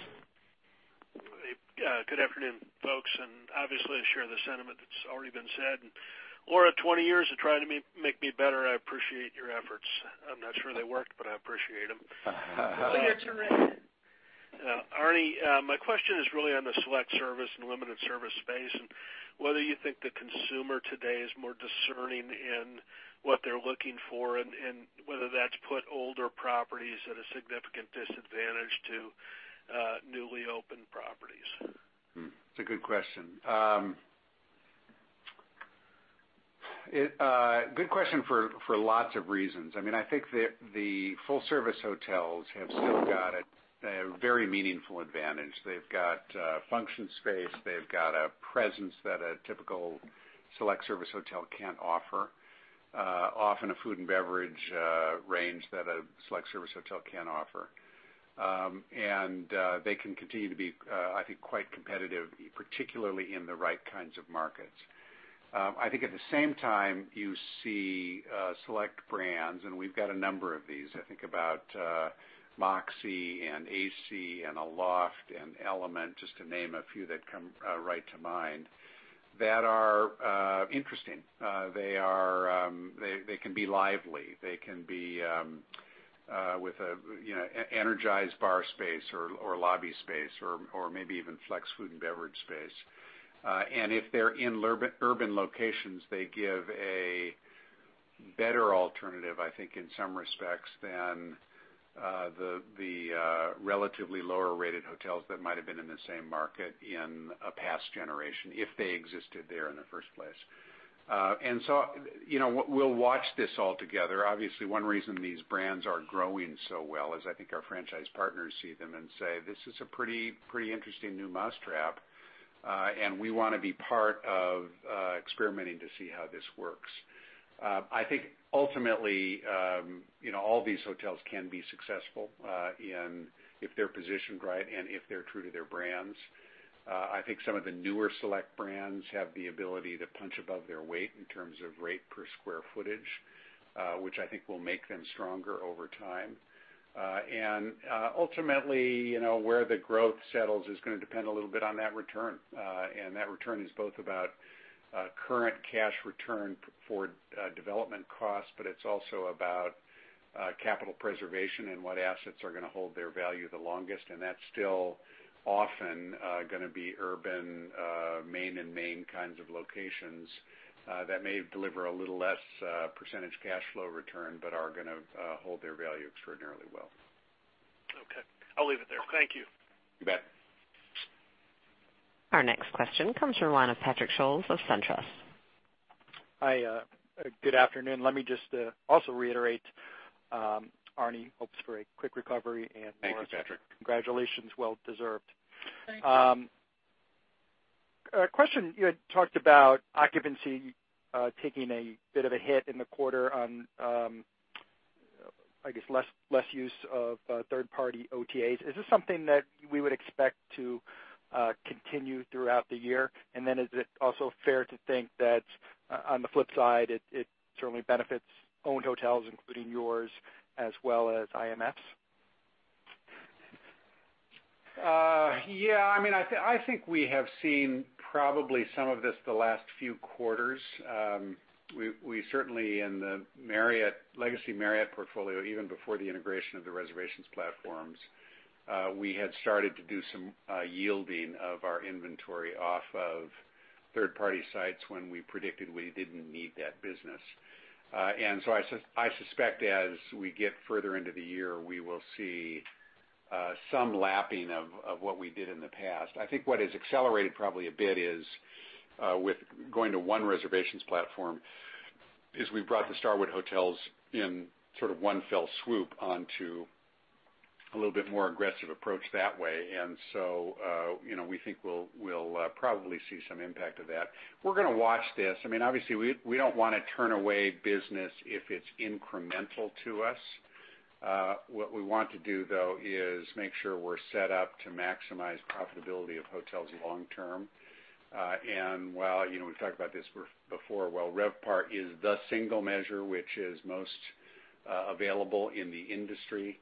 Good afternoon, folks. Obviously I share the sentiment that's already been said. Laura, 20 years of trying to make me better, I appreciate your efforts. I'm not sure they worked, but I appreciate them. Arne, my question is really on the select service and limited service space, and whether you think the consumer today is more discerning in what they're looking for, and whether that's put older properties at a significant disadvantage to newly opened properties. It's a good question. Good question for lots of reasons. I think the full service hotels have still got a very meaningful advantage. They've got function space, they've got a presence that a typical select service hotel can't offer. Often a food and beverage range that a select service hotel can't offer. They can continue to be, I think, quite competitive, particularly in the right kinds of markets. I think at the same time, you see select brands, and we've got a number of these. I think about Moxy and AC and Aloft and Element, just to name a few that come right to mind, that are interesting. They can be lively. They can be with an energized bar space or lobby space or maybe even flex food and beverage space. If they're in urban locations, they give a better alternative, I think, in some respects, than the relatively lower-rated hotels that might've been in the same market in a past generation, if they existed there in the first place. We'll watch this all together. Obviously, one reason these brands are growing so well is I think our franchise partners see them and say, "This is a pretty interesting new mousetrap, and we want to be part of experimenting to see how this works." I think ultimately all these hotels can be successful, if they're positioned right and if they're true to their brands. I think some of the newer select brands have the ability to punch above their weight in terms of rate per square footage, which I think will make them stronger over time. Ultimately, where the growth settles is going to depend a little on that return, and that return is both about current cash return for development costs, but it's also about capital preservation and what assets are going to hold their value the longest. That's still often going to be urban, main and main kinds of locations that may deliver a little less percentage cash flow return, but are going to hold their value extraordinarily well. Okay. I'll leave it there. Thank you. You bet. Our next question comes from the line of Patrick Scholes of SunTrust. Hi, good afternoon. Let me just also reiterate, Arne, hopes for a quick recovery. Thank you, Patrick. Congratulations. Well deserved. Thank you. A question. You had talked about occupancy taking a bit of a hit in the quarter on, I guess, less use of third-party OTAs. Is this something that we would expect to continue throughout the year? Is it also fair to think that on the flip side, it certainly benefits owned hotels, including yours as well as IMFs? Yeah. I think we have seen probably some of this the last few quarters. We certainly in the legacy Marriott portfolio, even before the integration of the reservations platforms, we had started to do some yielding of our inventory off of third-party sites when we predicted we didn't need that business. I suspect as we get further into the year, we will see some lapping of what we did in the past. I think what has accelerated probably a bit is with going to one reservations platform is we've brought the Starwood hotels in one fell swoop onto a little bit more aggressive approach that way. We think we'll probably see some impact of that. We're going to watch this. Obviously, we don't want to turn away business if it's incremental to us. What we want to do though, is make sure we're set up to maximize profitability of hotels long term. While, we've talked about this before, while RevPAR is the single measure which is most available in the industry,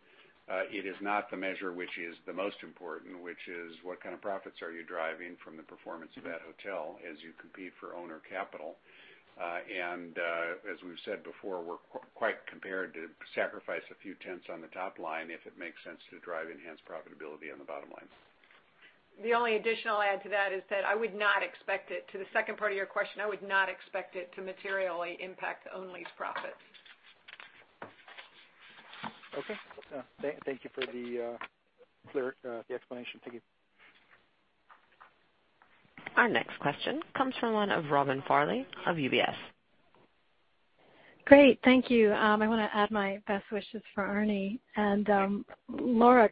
it is not the measure which is the most important, which is what kind of profits are you driving from the performance of that hotel as you compete for owner capital. As we've said before, we're quite prepared to sacrifice a few tenths on the top line if it makes sense to drive enhanced profitability on the bottom line. The only additional add to that is that I would not expect it, to the second part of your question, I would not expect it to materially impact owner's profits. Okay. Thank you for the clear explanation. Thank you. Our next question comes from the line of Robin Farley of UBS. Great. Thank you. I want to add my best wishes for Arne and Laura.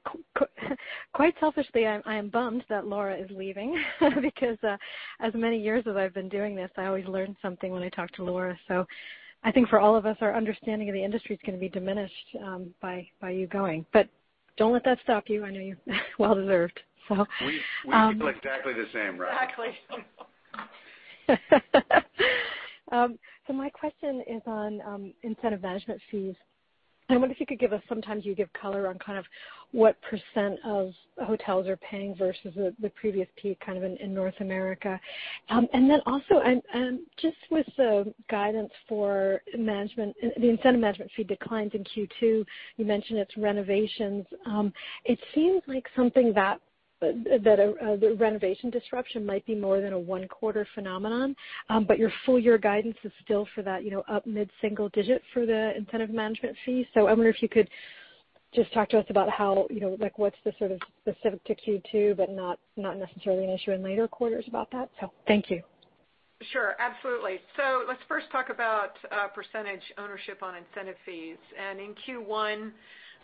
Quite selfishly, I am bummed that Laura is leaving because as many years as I've been doing this, I always learn something when I talk to Laura. I think for all of us, our understanding of the industry is going to be diminished by you going. Don't let that stop you. I know well deserved. We feel exactly the same, Robin. Exactly. My question is on Incentive Management Fees. I wonder if you could give us, sometimes you give color on what % of hotels are paying versus the previous peak in North America. Then also, just with the guidance for the Incentive Management Fee declines in Q2, you mentioned it's renovations. It seems like something that the renovation disruption might be more than a one quarter phenomenon. But your full year guidance is still for that up mid-single digit for the Incentive Management Fee. I wonder if you could just talk to us about what's the sort of specific to Q2 but not necessarily an issue in later quarters about that. Thank you. Absolutely. Let's first talk about percentage ownership on Incentive Fees. In Q1,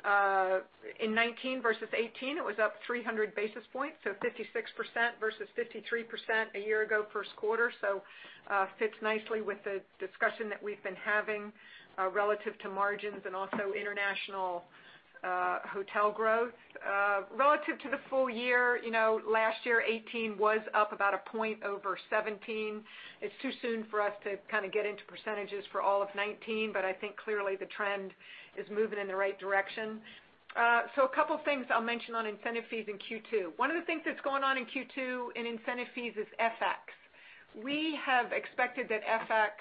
in 2019 versus 2018, it was up 300 basis points, 56% versus 53% a year ago first quarter. Fits nicely with the discussion that we've been having relative to margins and also international hotel growth. Relative to the full year, last year 2018 was up about a point over 2017. It's too soon for us to get into percentages for all of 2019. I think clearly the trend is moving in the right direction. A couple things I'll mention on Incentive Fees in Q2. One of the things that's going on in Q2 in Incentive Fees is FX. We have expected that FX,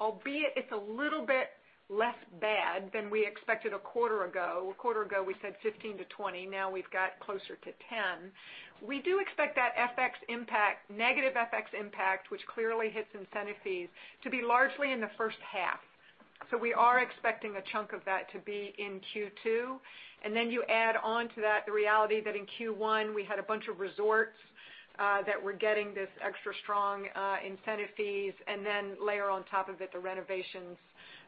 albeit it's a little bit less bad than we expected a quarter ago. A quarter ago, we said 15%-20%. Now we've got closer to 10%. We do expect that negative FX impact, which clearly hits Incentive Fees, to be largely in the first half. We are expecting a chunk of that to be in Q2. Then you add on to that the reality that in Q1 we had a bunch of resorts that were getting this extra strong Incentive Fees and then layer on top of it the renovations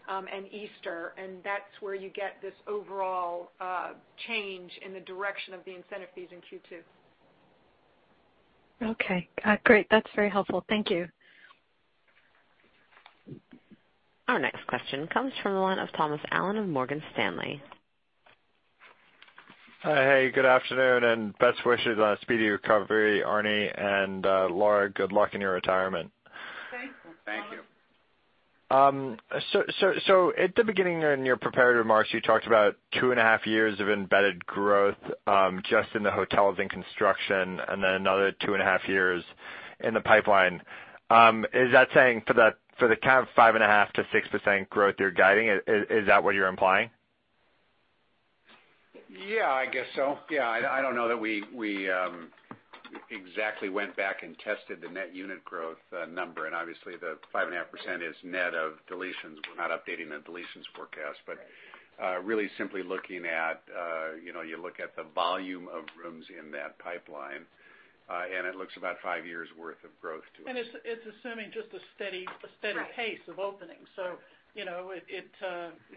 and Easter. That's where you get this overall change in the direction of the Incentive Fees in Q2. Okay. Great. That's very helpful. Thank you. Our next question comes from the line of Thomas Allen of Morgan Stanley. Hey, good afternoon, and best wishes on a speedy recovery, Arne, and Laura, good luck in your retirement. Thank you. Thank you. At the beginning in your prepared remarks, you talked about two and a half years of embedded growth, just in the hotels in construction then another two and a half years in the pipeline. Is that saying for the kind of 5.5%-6% growth you're guiding, is that what you're implying? I guess so. I don't know that we exactly went back and tested the net unit growth number, obviously the 5.5% is net of deletions. We're not updating the deletions forecast, really simply looking at the volume of rooms in that pipeline, it looks about five years' worth of growth to us. It's assuming just a steady pace of opening.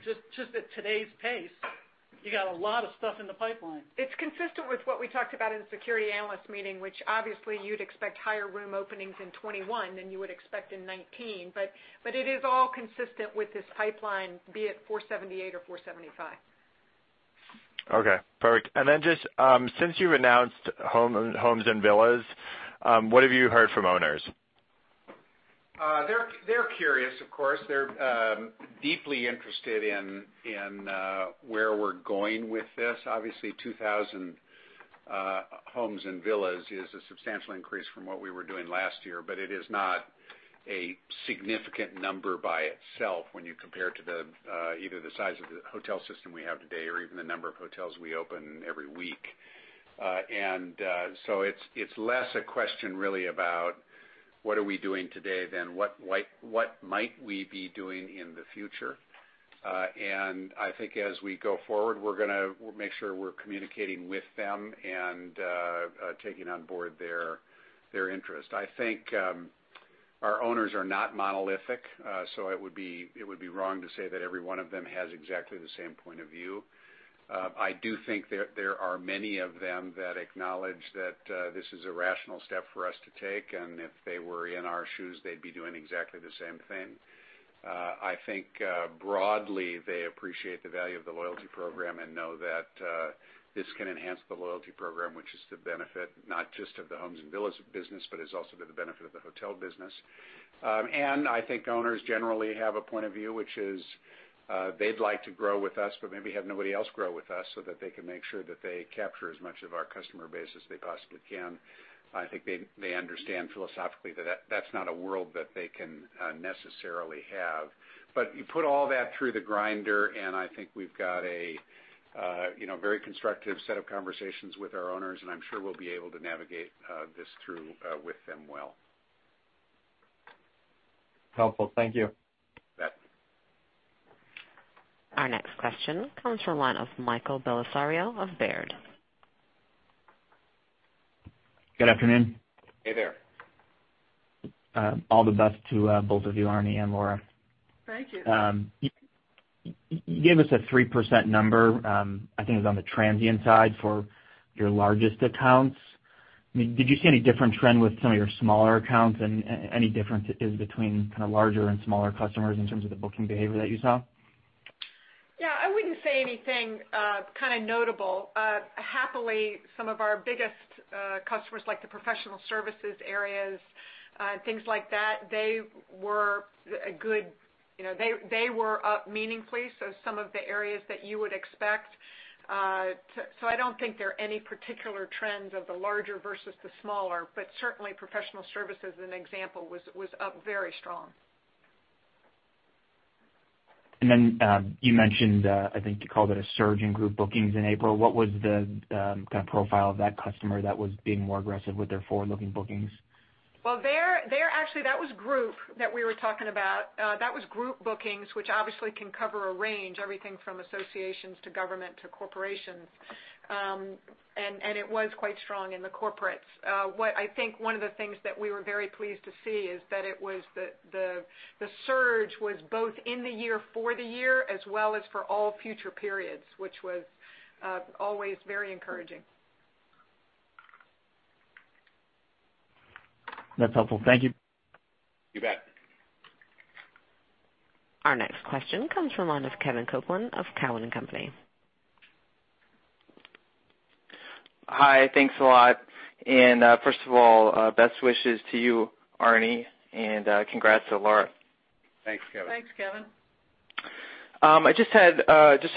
Just at today's pace, you got a lot of stuff in the pipeline. It's consistent with what we talked about in the security analyst meeting, which obviously you'd expect higher room openings in 2021 than you would expect in 2019. It is all consistent with this pipeline, be it 478 or 475. Okay, perfect. Then just, since you've announced Homes and Villas, what have you heard from owners? They're curious, of course. They're deeply interested in where we're going with this. Obviously, 2,000 Homes and Villas is a substantial increase from what we were doing last year, but it is not a significant number by itself when you compare to either the size of the hotel system we have today or even the number of hotels we open every week. It's less a question really about what are we doing today than what might we be doing in the future. I think as we go forward, we're going to make sure we're communicating with them and taking on board their interest. I think our owners are not monolithic. It would be wrong to say that every one of them has exactly the same point of view. I do think there are many of them that acknowledge that this is a rational step for us to take, if they were in our shoes, they'd be doing exactly the same thing. I think, broadly, they appreciate the value of the loyalty program and know that this can enhance the loyalty program, which is to benefit not just of the Homes and Villas business, but is also to the benefit of the hotel business. I think owners generally have a point of view, which is, they'd like to grow with us but maybe have nobody else grow with us so that they can make sure that they capture as much of our customer base as they possibly can. I think they understand philosophically that that's not a world that they can necessarily have. You put all that through the grinder, and I think we've got a very constructive set of conversations with our owners, and I'm sure we'll be able to navigate this through with them well. Helpful. Thank you. You bet. Our next question comes from the line of Michael Bellisario of Baird. Good afternoon. Hey there. All the best to both of you, Arne and Laura. Thank you. You gave us a 3% number, I think it was on the transient side for your largest accounts. Did you see any different trend with some of your smaller accounts and any differences between kind of larger and smaller customers in terms of the booking behavior that you saw? Yeah, I wouldn't say anything kind of notable. Happily, some of our biggest customers, like the professional services areas, things like that, they were up meaningfully, some of the areas that you would expect. I don't think there are any particular trends of the larger versus the smaller, but certainly professional services, as an example, was up very strong. You mentioned, I think you called it a surge in group bookings in April. What was the kind of profile of that customer that was being more aggressive with their forward-looking bookings? Well, actually that was group that we were talking about. That was group bookings, which obviously can cover a range, everything from associations to government to corporations. It was quite strong in the corporates. What I think one of the things that we were very pleased to see is that the surge was both in the year for the year as well as for all future periods, which was always very encouraging. That's helpful. Thank you. You bet. Our next question comes from the line of Kevin Copeland of Cowen and Company. Hi. Thanks a lot. First of all, best wishes to you, Arne, and congrats to Laura. Thanks, Kevin. Thanks, Kevin. I just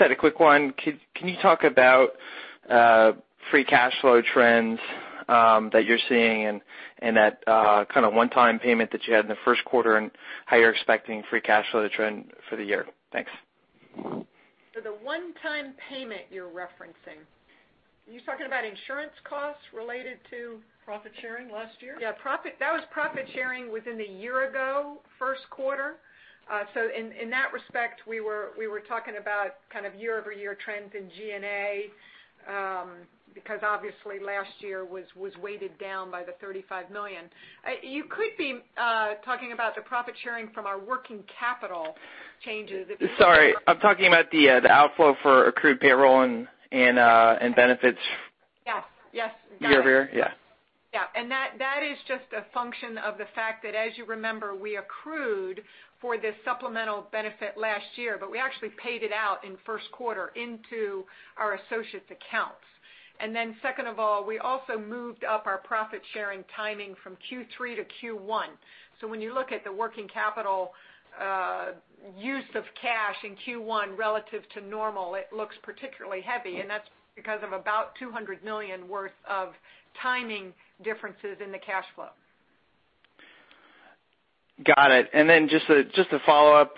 had a quick one. Can you talk about free cash flow trends that you're seeing and that kind of one-time payment that you had in the first quarter and how you're expecting free cash flow to trend for the year? Thanks. The one-time payment you're referencing, are you talking about insurance costs related to profit sharing last year? Yeah, that was profit sharing within a year ago first quarter. In that respect, we were talking about kind of year-over-year trends in G&A, because obviously last year was weighted down by the $35 million. You could be talking about the profit sharing from our working capital changes. Sorry, I'm talking about the outflow for accrued payroll and benefits. Yes. Year-over-year? Yeah. Yeah. That is just a function of the fact that, as you remember, we accrued for this supplemental benefit last year, but we actually paid it out in first quarter into our associates' accounts. Second of all, we also moved up our profit-sharing timing from Q3 to Q1. When you look at the working capital use of cash in Q1 relative to normal, it looks particularly heavy, and that's because of about $200 million worth of timing differences in the cash flow. Got it. Just a follow-up.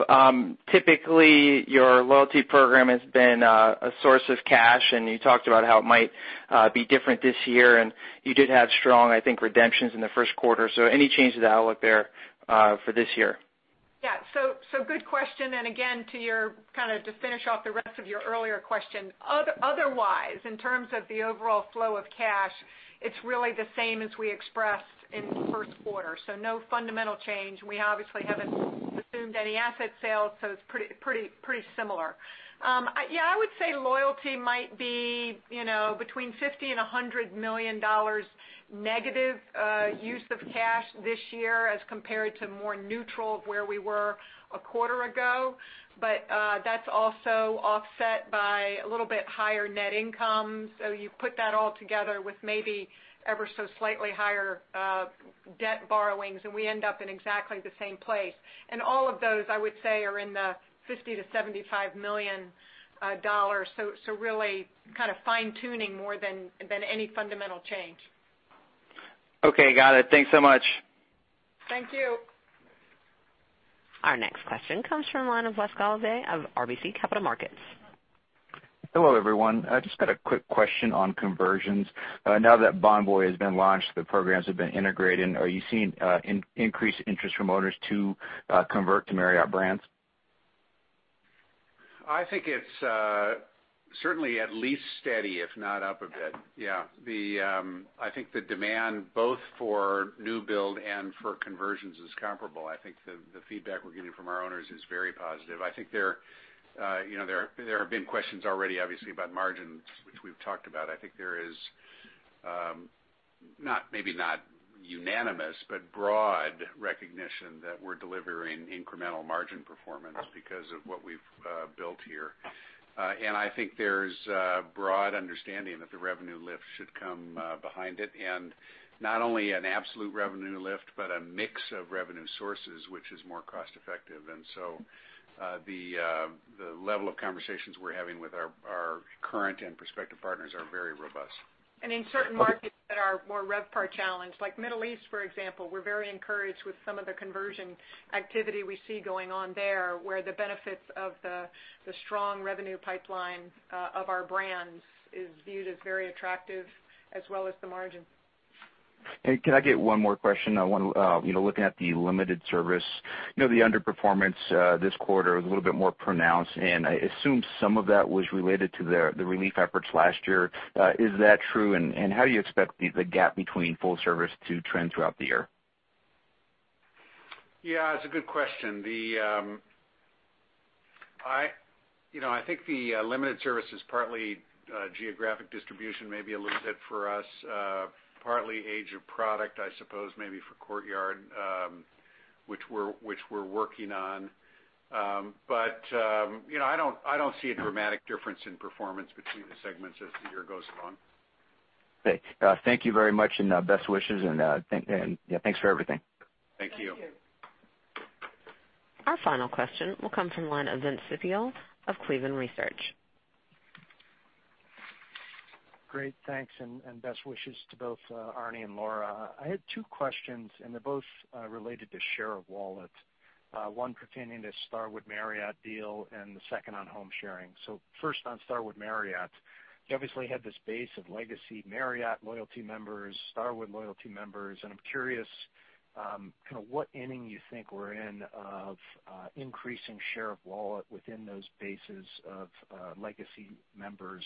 Typically, your loyalty program has been a source of cash, and you talked about how it might be different this year, and you did have strong, I think, redemptions in the first quarter. Any change to the outlook there for this year? Good question, and again, to finish off the rest of your earlier question, otherwise, in terms of the overall flow of cash, it's really the same as we expressed in first quarter. No fundamental change. We obviously haven't assumed any asset sales, so it's pretty similar. I would say loyalty might be between $50 million and $100 million negative use of cash this year as compared to more neutral of where we were a quarter ago. That's also offset by a little bit higher net income. You put that all together with maybe ever so slightly higher debt borrowings, and we end up in exactly the same place. All of those, I would say, are in the $50 million to $75 million. Really fine-tuning more than any fundamental change. Got it. Thanks so much. Thank you. Our next question comes from the line of Wes Galdes of RBC Capital Markets. Hello, everyone. I just got a quick question on conversions. Now that Bonvoy has been launched, the programs have been integrated, are you seeing increased interest from owners to convert to Marriott brands? I think it's certainly at least steady, if not up a bit. Yeah. I think the demand both for new build and for conversions is comparable. I think the feedback we're getting from our owners is very positive. I think there have been questions already, obviously, about margins, which we've talked about. I think there is, maybe not unanimous, but broad recognition that we're delivering incremental margin performance because of what we've built here. I think there's a broad understanding that the revenue lift should come behind it. Not only an absolute revenue lift, but a mix of revenue sources, which is more cost-effective. The level of conversations we're having with our current and prospective partners are very robust. In certain markets that are more RevPAR challenged, like Middle East, for example, we're very encouraged with some of the conversion activity we see going on there, where the benefits of the strong revenue pipeline of our brands is viewed as very attractive as well as the margin. Can I get one more question? Looking at the limited service, the underperformance this quarter was a little bit more pronounced, and I assume some of that was related to the relief efforts last year. Is that true? How do you expect the gap between full service to trend throughout the year? It's a good question. I think the limited service is partly geographic distribution, maybe a little bit for us, partly age of product, I suppose maybe for Courtyard, which we're working on. I don't see a dramatic difference in performance between the segments as the year goes along. Great. Thank you very much and best wishes and thanks for everything. Thank you. Thank you. Our final question will come from the line of Vince Ciepiel of Cleveland Research. Great, thanks. Best wishes to both Arne and Laura. I had two questions, and they're both related to share of wallet, one pertaining to Starwood Marriott deal and the second on home sharing. First on Starwood Marriott. You obviously had this base of legacy Marriott loyalty members, Starwood loyalty members, and I'm curious what inning you think we're in of increasing share of wallet within those bases of legacy members,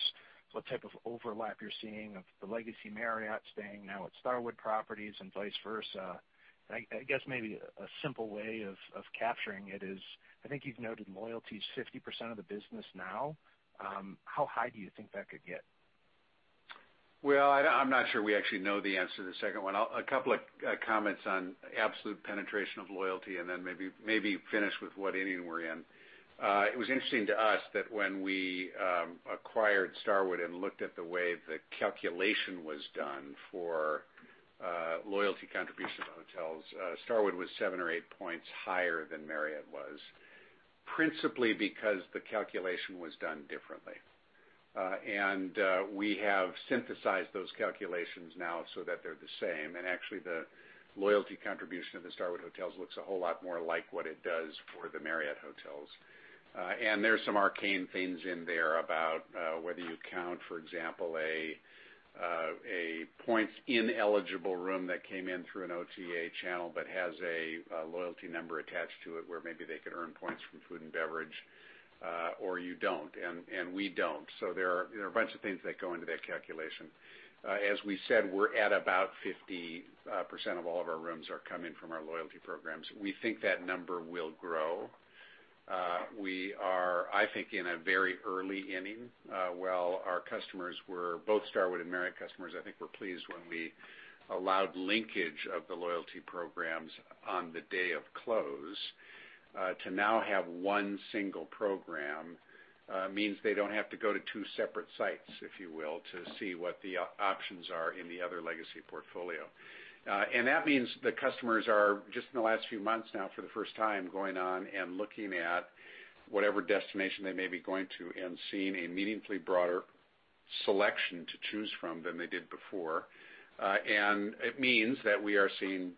what type of overlap you're seeing of the legacy Marriott staying now at Starwood properties and vice versa. I guess maybe a simple way of capturing it is, I think you've noted loyalty is 50% of the business now. How high do you think that could get? Well, I'm not sure we actually know the answer to the second one. A couple of comments on absolute penetration of loyalty and then maybe finish with what inning we're in. It was interesting to us that when we acquired Starwood and looked at the way the calculation was done for loyalty contribution to hotels, Starwood was 7 or 8 points higher than Marriott was, principally because the calculation was done differently. We have synthesized those calculations now so that they're the same. Actually, the loyalty contribution of the Starwood hotels looks a whole lot more like what it does for the Marriott hotels. There's some arcane things in there about whether you count, for example, a points ineligible room that came in through an OTA channel but has a loyalty number attached to it where maybe they could earn points from food and beverage, or you don't. We don't. There are a bunch of things that go into that calculation. As we said, we're at about 50% of all of our rooms are coming from our loyalty programs. We think that number will grow. We are, I think, in a very early inning. While our customers were both Starwood and Marriott customers, I think, were pleased when we allowed linkage of the loyalty programs on the day of close. To now have one single program means they don't have to go to two separate sites, if you will, to see what the options are in the other legacy portfolio. That means the customers are just in the last few months now, for the first time, going on and looking at whatever destination they may be going to and seeing a meaningfully broader selection to choose from than they did before. It means that we are seeing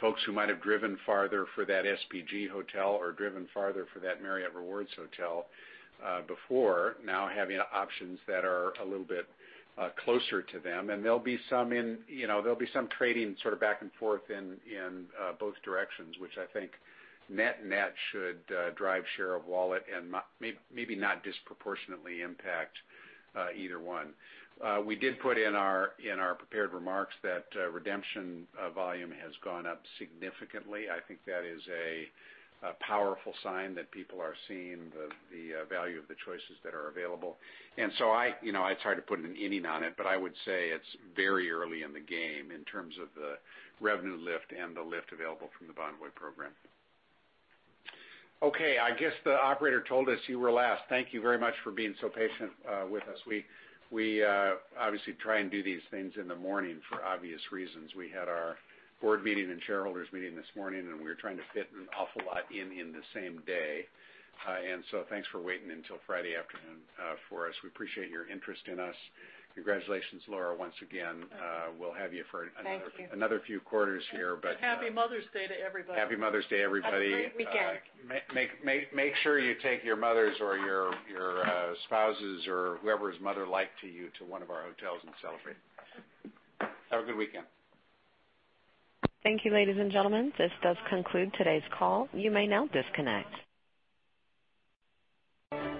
folks who might have driven farther for that SPG hotel or driven farther for that Marriott Rewards hotel before, now having options that are a little bit closer to them. There'll be some trading sort of back and forth in both directions, which I think net-net should drive share of wallet and maybe not disproportionately impact either one. We did put in our prepared remarks that redemption volume has gone up significantly. I think that is a powerful sign that people are seeing the value of the choices that are available. I'd try to put an inning on it, but I would say it's very early in the game in terms of the revenue lift and the lift available from the Bonvoy program. Okay, I guess the operator told us you were last. Thank you very much for being so patient with us. We obviously try and do these things in the morning for obvious reasons. We had our board meeting and shareholders meeting this morning, and we were trying to fit an awful lot in in the same day. Thanks for waiting until Friday afternoon for us. We appreciate your interest in us. Congratulations, Laura, once again. We'll have you for another few quarters here. Thank you. Happy Mother's Day to everybody. Happy Mother's Day, everybody. Have a great weekend. Make sure you take your mothers or your spouses or whoever is mother-like to you to one of our hotels and celebrate. Have a good weekend. Thank you, ladies and gentlemen. This does conclude today's call. You may now disconnect.